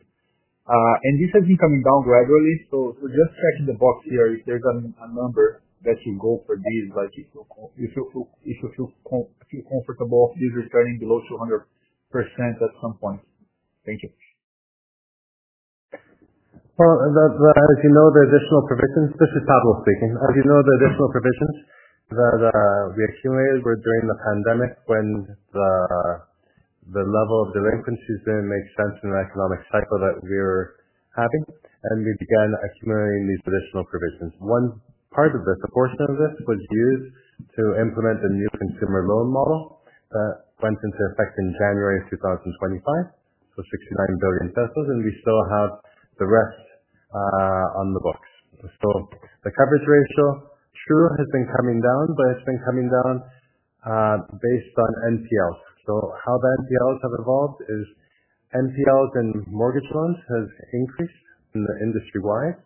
And this has been coming down gradually. So just checking the box here if there's a number that you go for these, like if you feel comfortable with returning below 200% at some point? Thank you. Well, as you know, the additional provisions. This is Pablo speaking. As you know, the additional provisions that we accumulated were during the pandemic when the level of delinquencies didn't make sense in the economic cycle that we're having. And we began accumulating these additional provisions. One part of this, a portion of this, was used to implement a new consumer loan model that went into effect in January of 2025, so 69 billion pesos. And we still have the rest on the books. So the coverage ratio true has been coming down, but it's been coming down based on NPLs. So how the NPLs have evolved is NPLs in mortgage loans have increased in the industry-wide.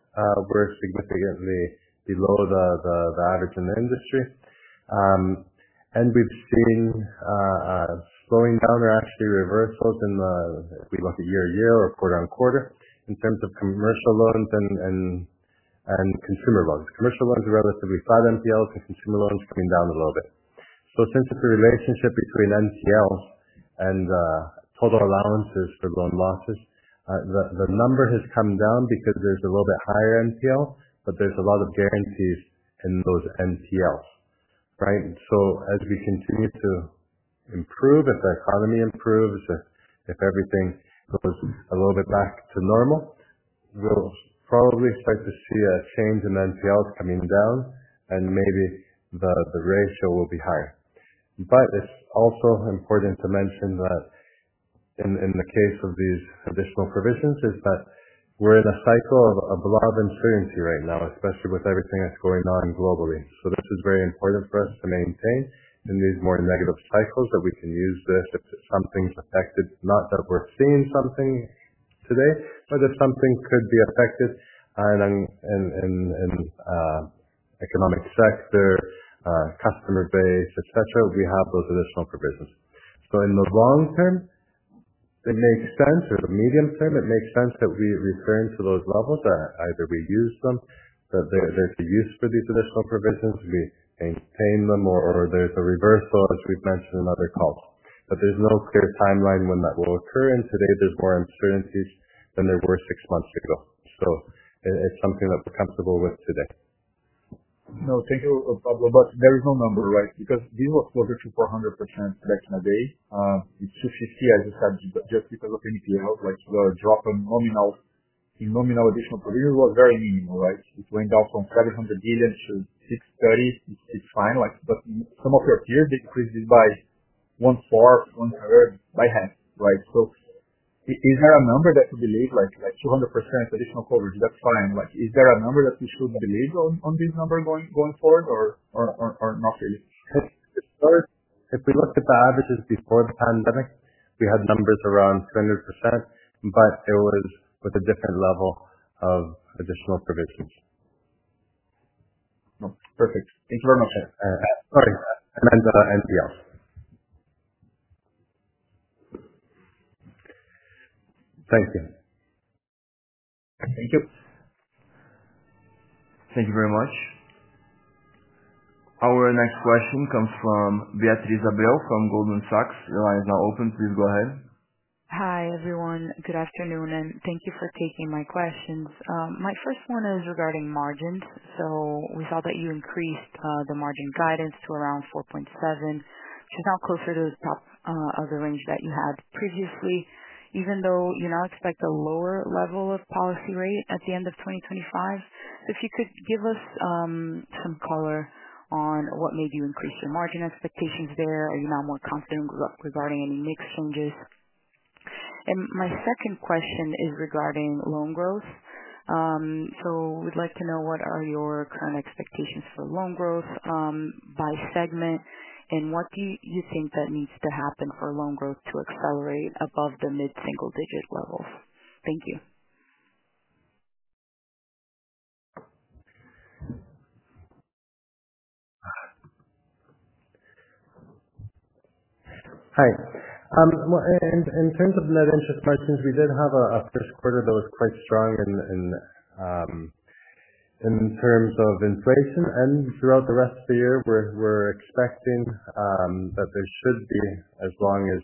We're significantly below the average in the industry, and we've seen slowing down or actually reversals in the, if we look at year-to-year or quarter-on-quarter in terms of commercial loans and consumer loans. Commercial loans are relatively flat, NPLs and consumer loans coming down a little bit, so since it's a relationship between NPLs and total allowances for loan losses, the number has come down because there's a little bit higher NPL, but there's a lot of guarantees in those NPLs, right, so as we continue to improve, if the economy improves, if everything goes a little bit back to normal, we'll probably start to see a change in NPLs coming down, and maybe the ratio will be higher. But it's also important to mention that in the case of these additional provisions is that we're in a cycle of a lot of uncertainty right now, especially with everything that's going on globally. So this is very important for us to maintain in these more negative cycles that we can use this if something's affected, not that we're seeing something today, but if something could be affected in the economic sector, customer base, etc., we have those additional provisions. So in the long term, it makes sense, or the medium term, it makes sense that we return to those levels, that either we use them, that there's a use for these additional provisions, we maintain them, or there's a reversal, as we've mentioned in other calls. But there's no clear timeline when that will occur. And today, there's more uncertainties than there were six months ago. So it's something that we're comfortable with today. No, thank you, Pablo, but there is no number, right? Because this was closer to 400% back in the day. It's too shifty, as you said, just because of NPLs, like the drop in nominal additional provisions was very minimal, right? It went down from 700 billion to 630 billion. It's fine. But some of your peers, they increased it by 1/4, 1/3, by half, right? So is there a number that you believe, like 200% additional coverage, that's fine? Is there a number that you should believe on this number going forward, or not really? If we looked at the averages before the pandemic, we had numbers around 200%, but it was with a different level of additional provisions. Perfect. Thank you very much. Sorry, and NPLs. Thank you. Thank you. Thank you very much. Our next question comes from Beatriz Abreu from Goldman Sachs. Your line is now open. Please go ahead. Hi, everyone. Good afternoon, and thank you for taking my questions. My first one is regarding margins. So we saw that you increased the margin guidance to around 4.7, which is now closer to the top of the range that you had previously, even though you now expect a lower level of policy rate at the end of 2025. So if you could give us some color on what made you increase your margin expectations there, are you now more confident regarding any mix changes? And my second question is regarding loan growth. So we'd like to know what are your current expectations for loan growth by segment, and what do you think that needs to happen for loan growth to accelerate above the mid-single-digit levels? Thank you. Hi. In terms of net interest margins, we did have a Q1 that was quite strong in terms of inflation. Throughout the rest of the year, we're expecting that there should be, as long as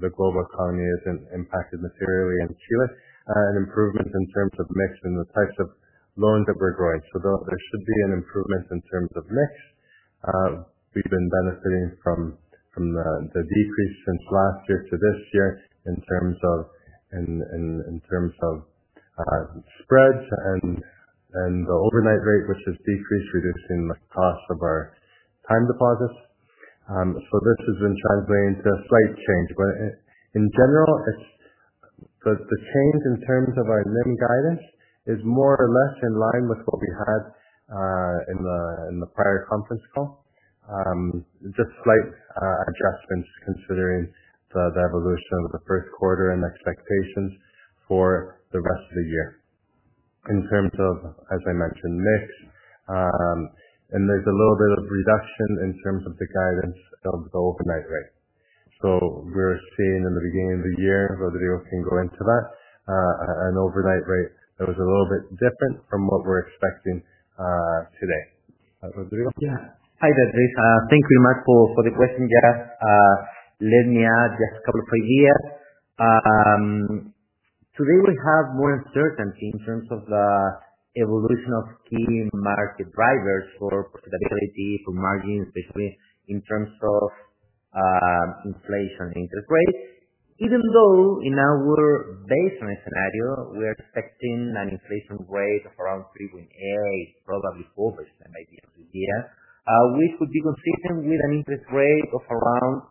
the global economy isn't impacted materially in Chile, an improvement in terms of mix and the types of loans that we're growing. There should be an improvement in terms of mix. We've been benefiting from the decrease since last year to this year in terms of spreads and the overnight rate, which has decreased, reducing the cost of our time deposits. This has been translated into a slight change. But in general, the change in terms of our NIM guidance is more or less in line with what we had in the prior conference call, just slight adjustments considering the evolution of the Q1 and expectations for the rest of the year. In terms of, as I mentioned, mix, and there's a little bit of reduction in terms of the guidance of the overnight rate. So we're seeing in the beginning of the year, Rodrigo can go into that, an overnight rate that was a little bit different from what we're expecting today. Rodrigo? Yeah. Hi, Beatriz. Thank you very much for the question. Just let me add just a couple of ideas. Today, we have more uncertainty in terms of the evolution of key market drivers for profitability, for margins, especially in terms of inflation and interest rate. Even though in our baseline scenario, we are expecting an inflation rate of around 3.8%, probably 4% by the end of the year, which would be consistent with an interest rate of around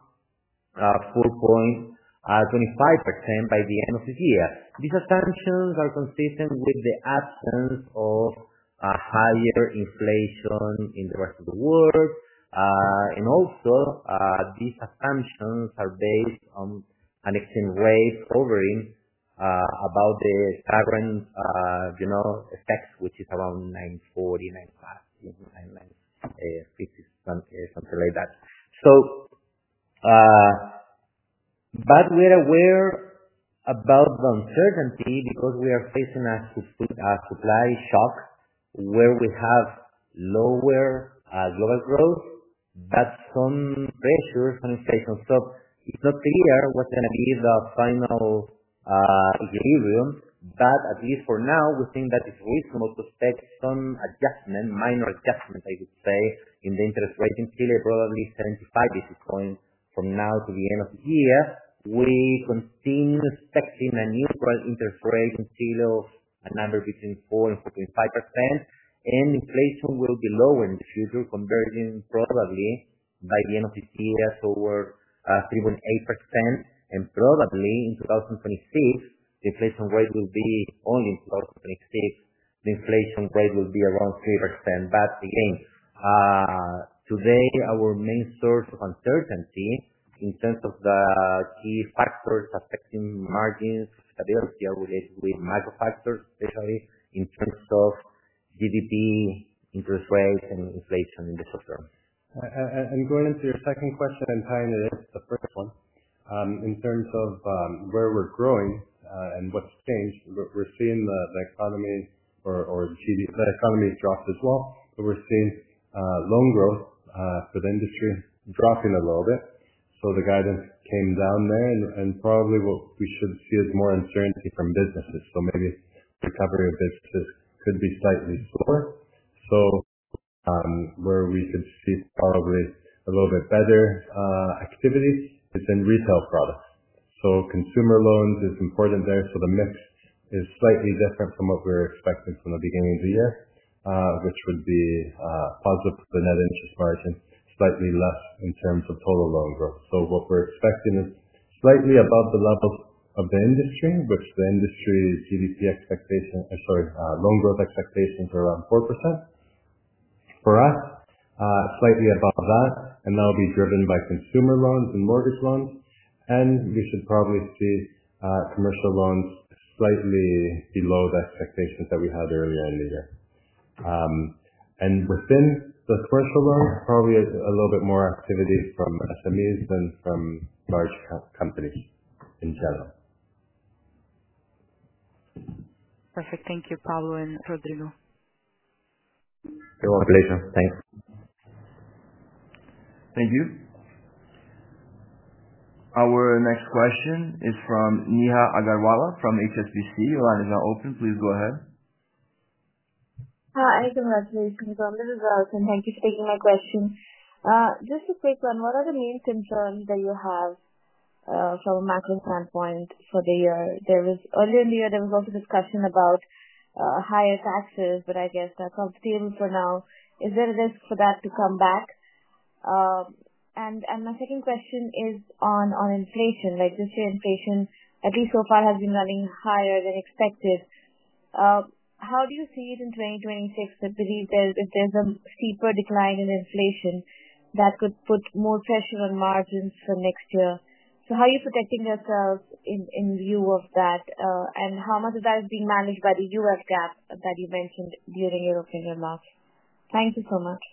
4.25% by the end of the year. These assumptions are consistent with the absence of higher inflation in the rest of the world, and also, these assumptions are based on an exchange rate hovering about the current level, which is around 9.40-9.50, something like that, but we're aware about the uncertainty because we are facing a supply shock where we have lower global growth, but some pressure on inflation, so it's not clear what's going to be the final equilibrium. But at least for now, we think that it's reasonable to expect some adjustment, minor adjustment, I would say, in the interest rate in Chile, probably 75 basis points from now to the end of the year. We continue expecting a neutral interest rate in Chile, a number between 4% and 4.5%. And inflation will be lower in the future, converging probably by the end of this year toward 3.8%. And probably in 2026, the inflation rate will be around 3%. But again, today, our main source of uncertainty in terms of the key factors affecting margins and profitability are related with macro factors, especially in terms of GDP, interest rates, and inflation in the short term. And going into your second question and tying it into the first one, in terms of where we're growing and what's changed, we're seeing the economy or the economy drops as well. But we're seeing loan growth for the industry dropping a little bit. So the guidance came down there. And probably what we should see is more uncertainty from businesses. So maybe recovery of businesses could be slightly slower. So where we could see probably a little bit better activity is in retail products. So consumer loans is important there. So the mix is slightly different from what we were expecting from the beginning of the year, which would be positive for the net interest margin, slightly less in terms of total loan growth. So what we're expecting is slightly above the levels of the industry, which the industry GDP expectations or sorry, loan growth expectations are around 4%. For us, slightly above that, and that will be driven by consumer loans and mortgage loans, and we should probably see commercial loans slightly below the expectations that we had earlier in the year, and within the commercial loans, probably a little bit more activity from SMEs than from large companies in general. Perfect. Thank you, Pablo and Rodrigo. Thank you very much, Beatriz. Thanks. Thank you. Our next question is from Neha Agarwala from HSBC. Your line is now open. Please go ahead. Hi, [inaudbile]. Thank you for taking my question. Just a quick one. What are the main concerns that you have from a macro standpoint for the year? Earlier in the year, there was also discussion about higher taxes, but I guess that's off the table for now. Is there a risk for that to come back? And my second question is on inflation. This year, inflation, at least so far, has been running higher than expected. How do you see it in 2026? I believe if there's a steeper decline in inflation, that could put more pressure on margins for next year. So how are you protecting yourselves in view of that? And how much of that is being managed by the UF gap that you mentioned during your opening remarks? Thank you so much.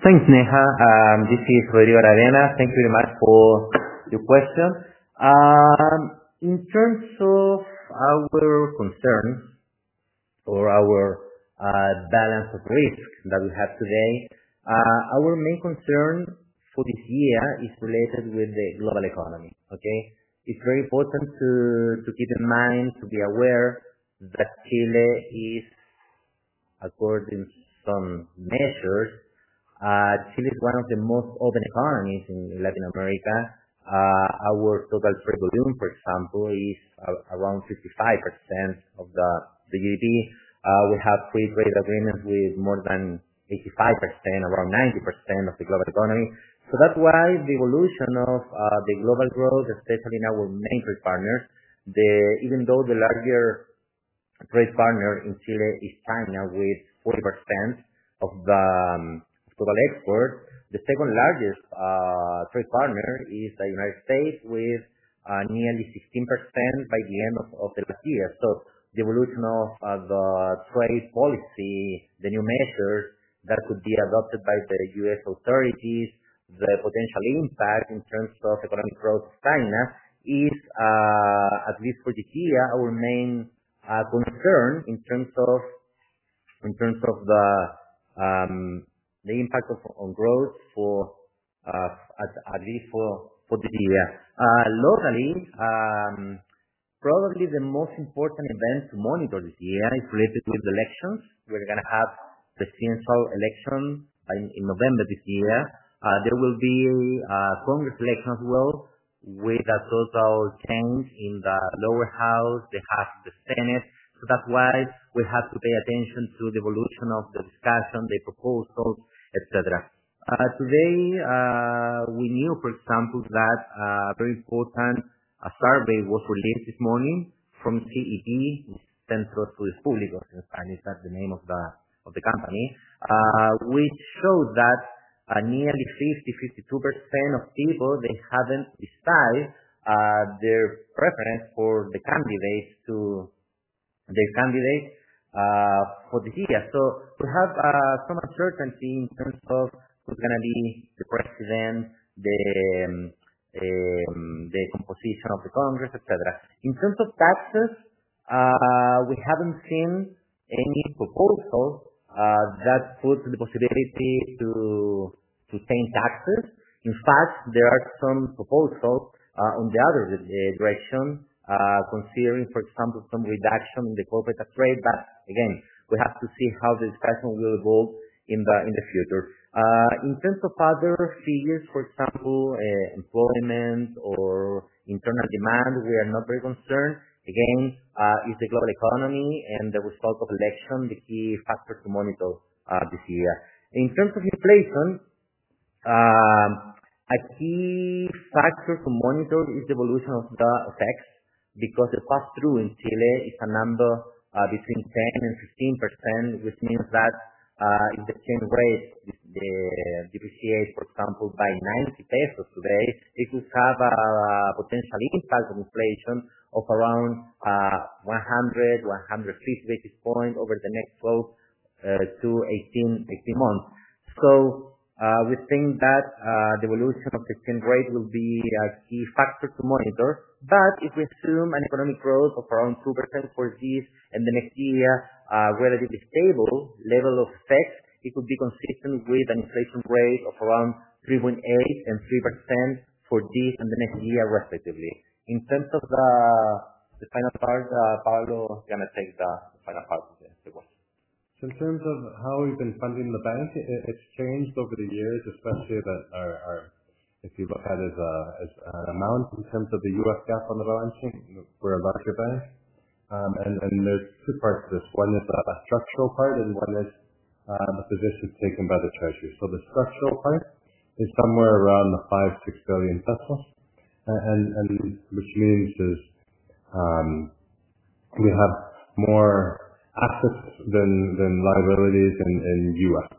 Thanks, Neha. This is Rodrigo Aravena. Thank you very much for your question. In terms of our concerns or our balance of risk that we have today, our main concern for this year is related with the global economy, okay? It's very important to keep in mind, to be aware that Chile is, according to some measures, Chile is one of the most open economies in Latin America. Our total trade volume, for example, is around 55% of the GDP. We have free trade agreements with more than 85%, around 90% of the global economy. So that's why the evolution of the global growth, especially in our main trade partners, even though the larger trade partner in Chile is China with 40% of the total export, the second largest trade partner is the United States with nearly 16% by the end of the last year. So the evolution of the trade policy, the new measures that could be adopted by the U.S. authorities, the potential impact in terms of economic growth of China is, at least for this year, our main concern in terms of the impact on growth for at least this year. Locally, probably the most important event to monitor this year is related with elections. We're going to have the Senate election in November this year. There will be Congress elections as well with a total change in the Lower House. They have the Senate. So that's why we have to pay attention to the evolution of the discussion, the proposals, etc. Today, we knew, for example, that a very important survey was released this morning from CEP, Centro de Estudios Públicos in Spanish, that's the name of the company, which showed that nearly 50%-52% of people, they haven't decided their preference for the candidates to their candidates for this year. So we have some uncertainty in terms of who's going to be the president, the composition of the Congress, etc. In terms of taxes, we haven't seen any proposals that put the possibility to change taxes. In fact, there are some proposals on the other direction, considering, for example, some reduction in the corporate tax. But again, we have to see how the discussion will evolve in the future. In terms of other figures, for example, employment or internal demand, we are not very concerned. Again, it's the global economy and the result of election, the key factor to monitor this year. In terms of inflation, a key factor to monitor is the evolution of the effects because the pass-through in Chile is a number between 10% and 15%, which means that if the exchange rate depreciates, for example, by CLP 90 today, it could have a potential impact on inflation of around 100-150 basis points over the next 12 to 18 months. So we think that the evolution of the exchange rate will be a key factor to monitor. But if we assume an economic growth of around 2% for this and the next year, relatively stable level of effects, it could be consistent with an inflation rate of around 3.8% and 3% for this and the next year, respectively. In terms of the final part, Pablo is going to take the final part of the question. So in terms of how we've been funding the bank, it's changed over the years, especially if you look at it as an amount in terms of the UF gap on the balance sheet. We're a larger bank. And there's two parts to this. One is a structural part, and one is the position taken by the treasury. So the structural part is somewhere around the CLP 5-6 billion, which means we have more assets than liabilities in USD.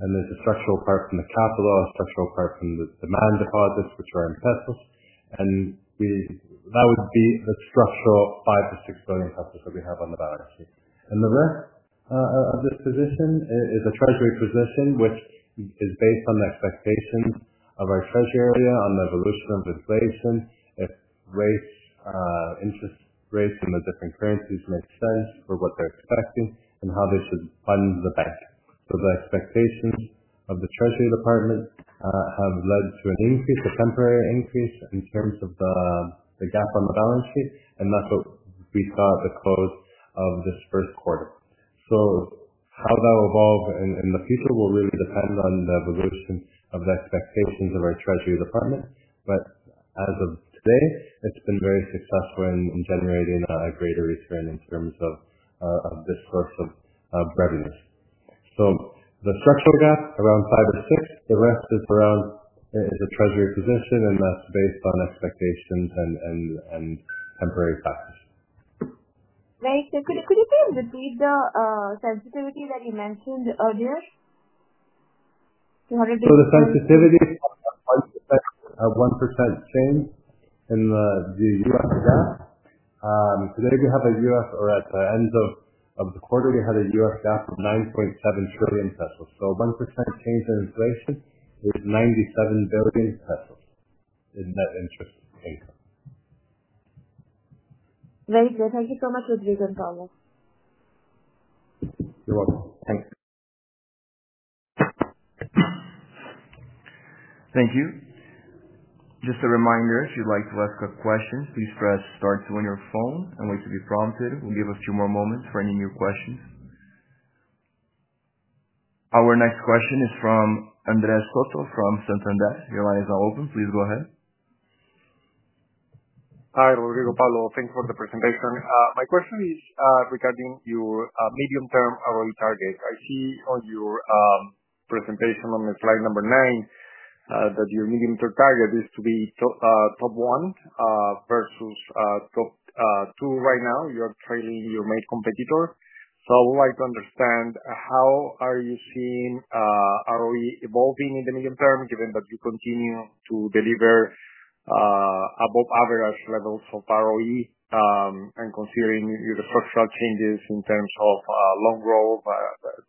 And there's a structural part from the capital, a structural part from the demand deposits, which are in pesos. And that would be the structural 5-6 billion that we have on the balance sheet. And the rest of this position is a treasury position, which is based on the expectations of our treasury area on the evolution of inflation, if interest rates in the different currencies make sense for what they're expecting and how they should fund the bank. So the expectations of the treasury department have led to an increase, a temporary increase in terms of the gap on the balance sheet. And that's what we saw at the close of this Q1. So how that will evolve in the future will really depend on the evolution of the expectations of our treasury department. But as of today, it's been very successful in generating a greater return in terms of this source of revenues. So the structural gap, around five or six, the rest is around, is a treasury position, and that's based on expectations and temporary factors. Right. So could you please repeat the sensitivity that you mentioned earlier? So the sensitivity of 1% change in the UF gap. Today, we have a UF or at the end of the quarter, we had a UF gap of 9.7 trillion pesos. So 1% change in inflation is 97 billion pesos in net interest income. Very good. Thank you so much, Rodrigo and Pablo. You're welcome. Thanks. Thank you. Just a reminder, if you'd like to ask a question, please press star two on your phone and wait to be prompted. We'll give a few more moments for any new questions. Our next question is from Andrés Soto from Santander. Your line is now open. Please go ahead. Hi, Rodrigo Pablo. Thank you for the presentation. My question is regarding your medium-term ROE target. I see on your presentation on slide number nine that your medium-term target is to be top one versus top two right now. You are trailing your main competitor. So I would like to understand how are you seeing ROE evolving in the medium term, given that you continue to deliver above-average levels of ROE and considering your structural changes in terms of loan growth,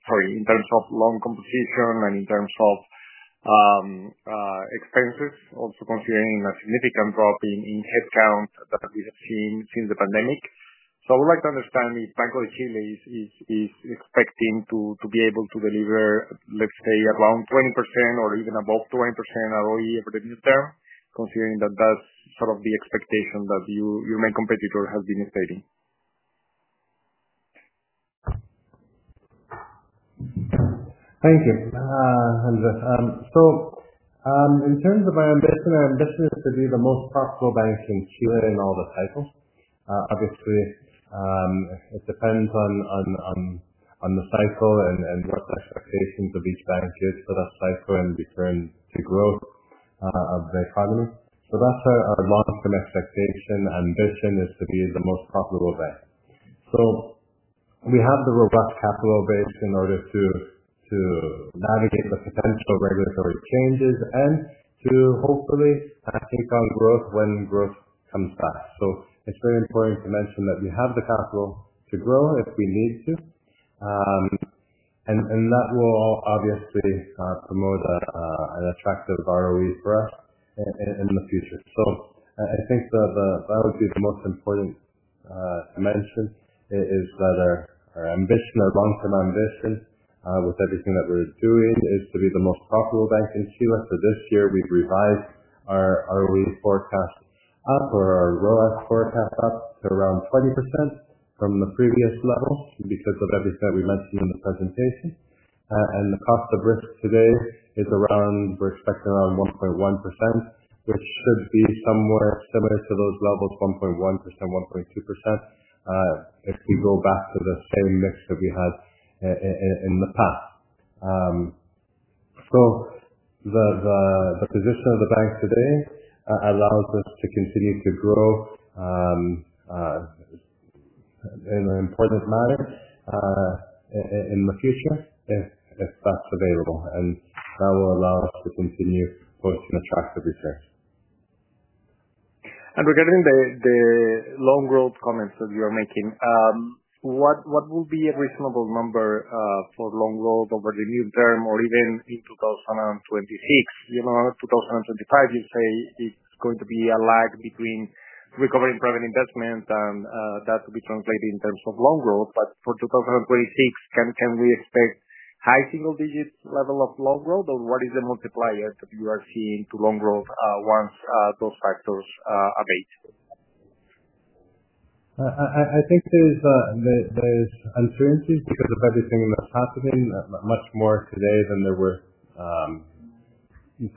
sorry, in terms of loan composition and in terms of expenses, also considering a significant drop in headcount that we have seen since the pandemic. I would like to understand if Banco de Chile is expecting to be able to deliver, let's say, around 20% or even above 20% ROE over the medium term, considering that that's sort of the expectation that your main competitor has been stating. Thank you, Andrés. In terms of our ambition, our ambition is to be the most profitable bank in Chile in all the cycles. Obviously, it depends on the cycle and what the expectations of each bank is for that cycle and return to growth of the economy. That's our long-term expectation; ambition is to be the most profitable bank. We have the robust capital base in order to navigate the potential regulatory changes and to hopefully take on growth when growth comes back. It's very important to mention that we have the capital to grow if we need to. And that will obviously promote an attractive ROE for us in the future. So I think that would be the most important to mention is that our ambition, our long-term ambition with everything that we're doing, is to be the most profitable bank in Chile. So this year, we've revised our ROE forecast up or our ROAA forecast up to around 20% from the previous levels because of everything that we mentioned in the presentation. And the cost of risk today is around we're expecting around 1.1%, which should be somewhere similar to those levels, 1.1%, 1.2%, if we go back to the same mix that we had in the past. So the position of the bank today allows us to continue to grow in an important manner in the future if that's available. And that will allow us to continue posting attractive returns. Regarding the loan growth comments that you are making, what will be a reasonable number for loan growth over the medium term or even in 2026? In 2025, you say it's going to be a lag between recovering private investment and that will be translated in terms of loan growth. But for 2026, can we expect high single-digit level of loan growth, or what is the multiplier that you are seeing to loan growth once those factors abate? I think there's uncertainty because of everything that's happening, much more today than there were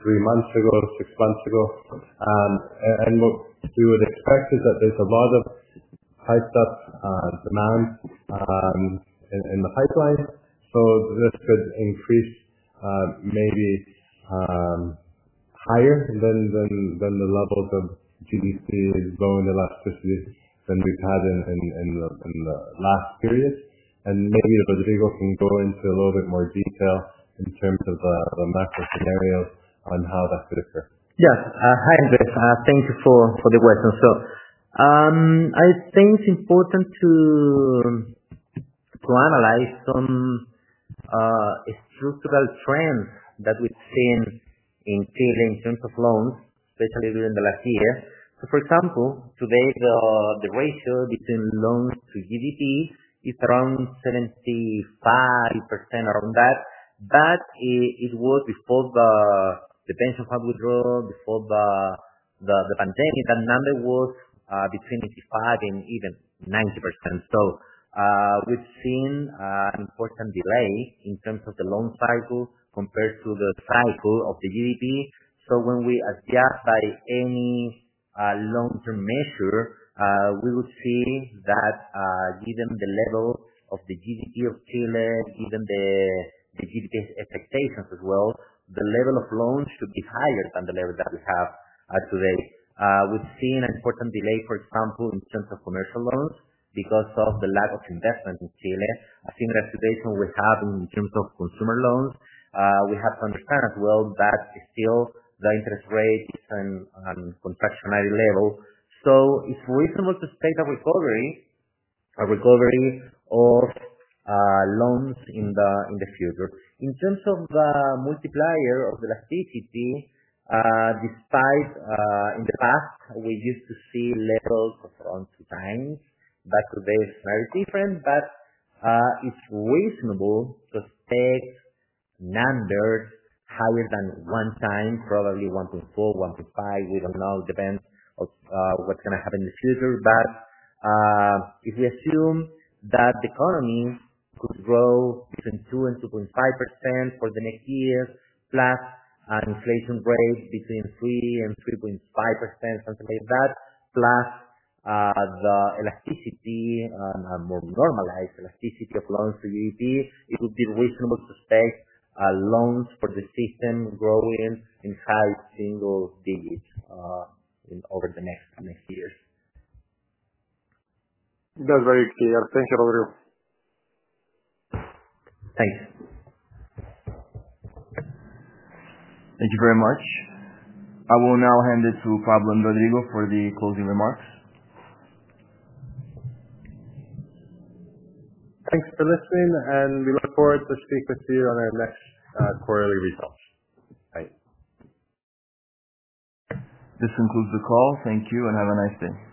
three months ago, six months ago. What we would expect is that there's a lot of pent-up demand in the pipeline. This could increase maybe higher than the levels of GDP growth elasticity than we've had in the last period. And maybe Rodrigo can go into a little bit more detail in terms of the macro scenarios on how that could occur. Yes. Hi, Andrés. Thank you for the question. So I think it's important to analyze some structural trends that we've seen in Chile in terms of loans, especially during the last year. So for example, today, the ratio between loans to GDP is around 75%, around that. But it was before the pension fund withdrawal, before the pandemic. That number was between 85% and even 90%. So we've seen an important delay in terms of the loan cycle compared to the cycle of the GDP. So when we adjust by any long-term measure, we would see that given the level of the GDP of Chile, given the GDP expectations as well, the level of loans should be higher than the level that we have today. We've seen an important delay, for example, in terms of commercial loans because of the lack of investment in Chile. A similar situation we have in terms of consumer loans. We have to understand as well that still the interest rate is on a contractionary level, so it's reasonable to state a recovery of loans in the future. In terms of the multiplier of elasticity, despite in the past, we used to see levels of around two times, that today is very different, but it's reasonable to expect numbers higher than one time, probably 1.4, 1.5. We don't know. It depends on what's going to happen in the future. But if we assume that the economy could grow between 2 and 2.5% for the next year, plus an inflation rate between 3 and 3.5%, something like that, plus the elasticity, a more normalized elasticity of loans to GDP, it would be reasonable to state loans for the system growing in high single digits over the next years. That's very clear. Thank you, Rodrigo. Thanks. Thank you very much. I will now hand it to Pablo and Rodrigo for the closing remarks. Thanks for listening. And we look forward to speaking with you on our next quarterly results. Bye. This concludes the call. Thank you and have a nice day.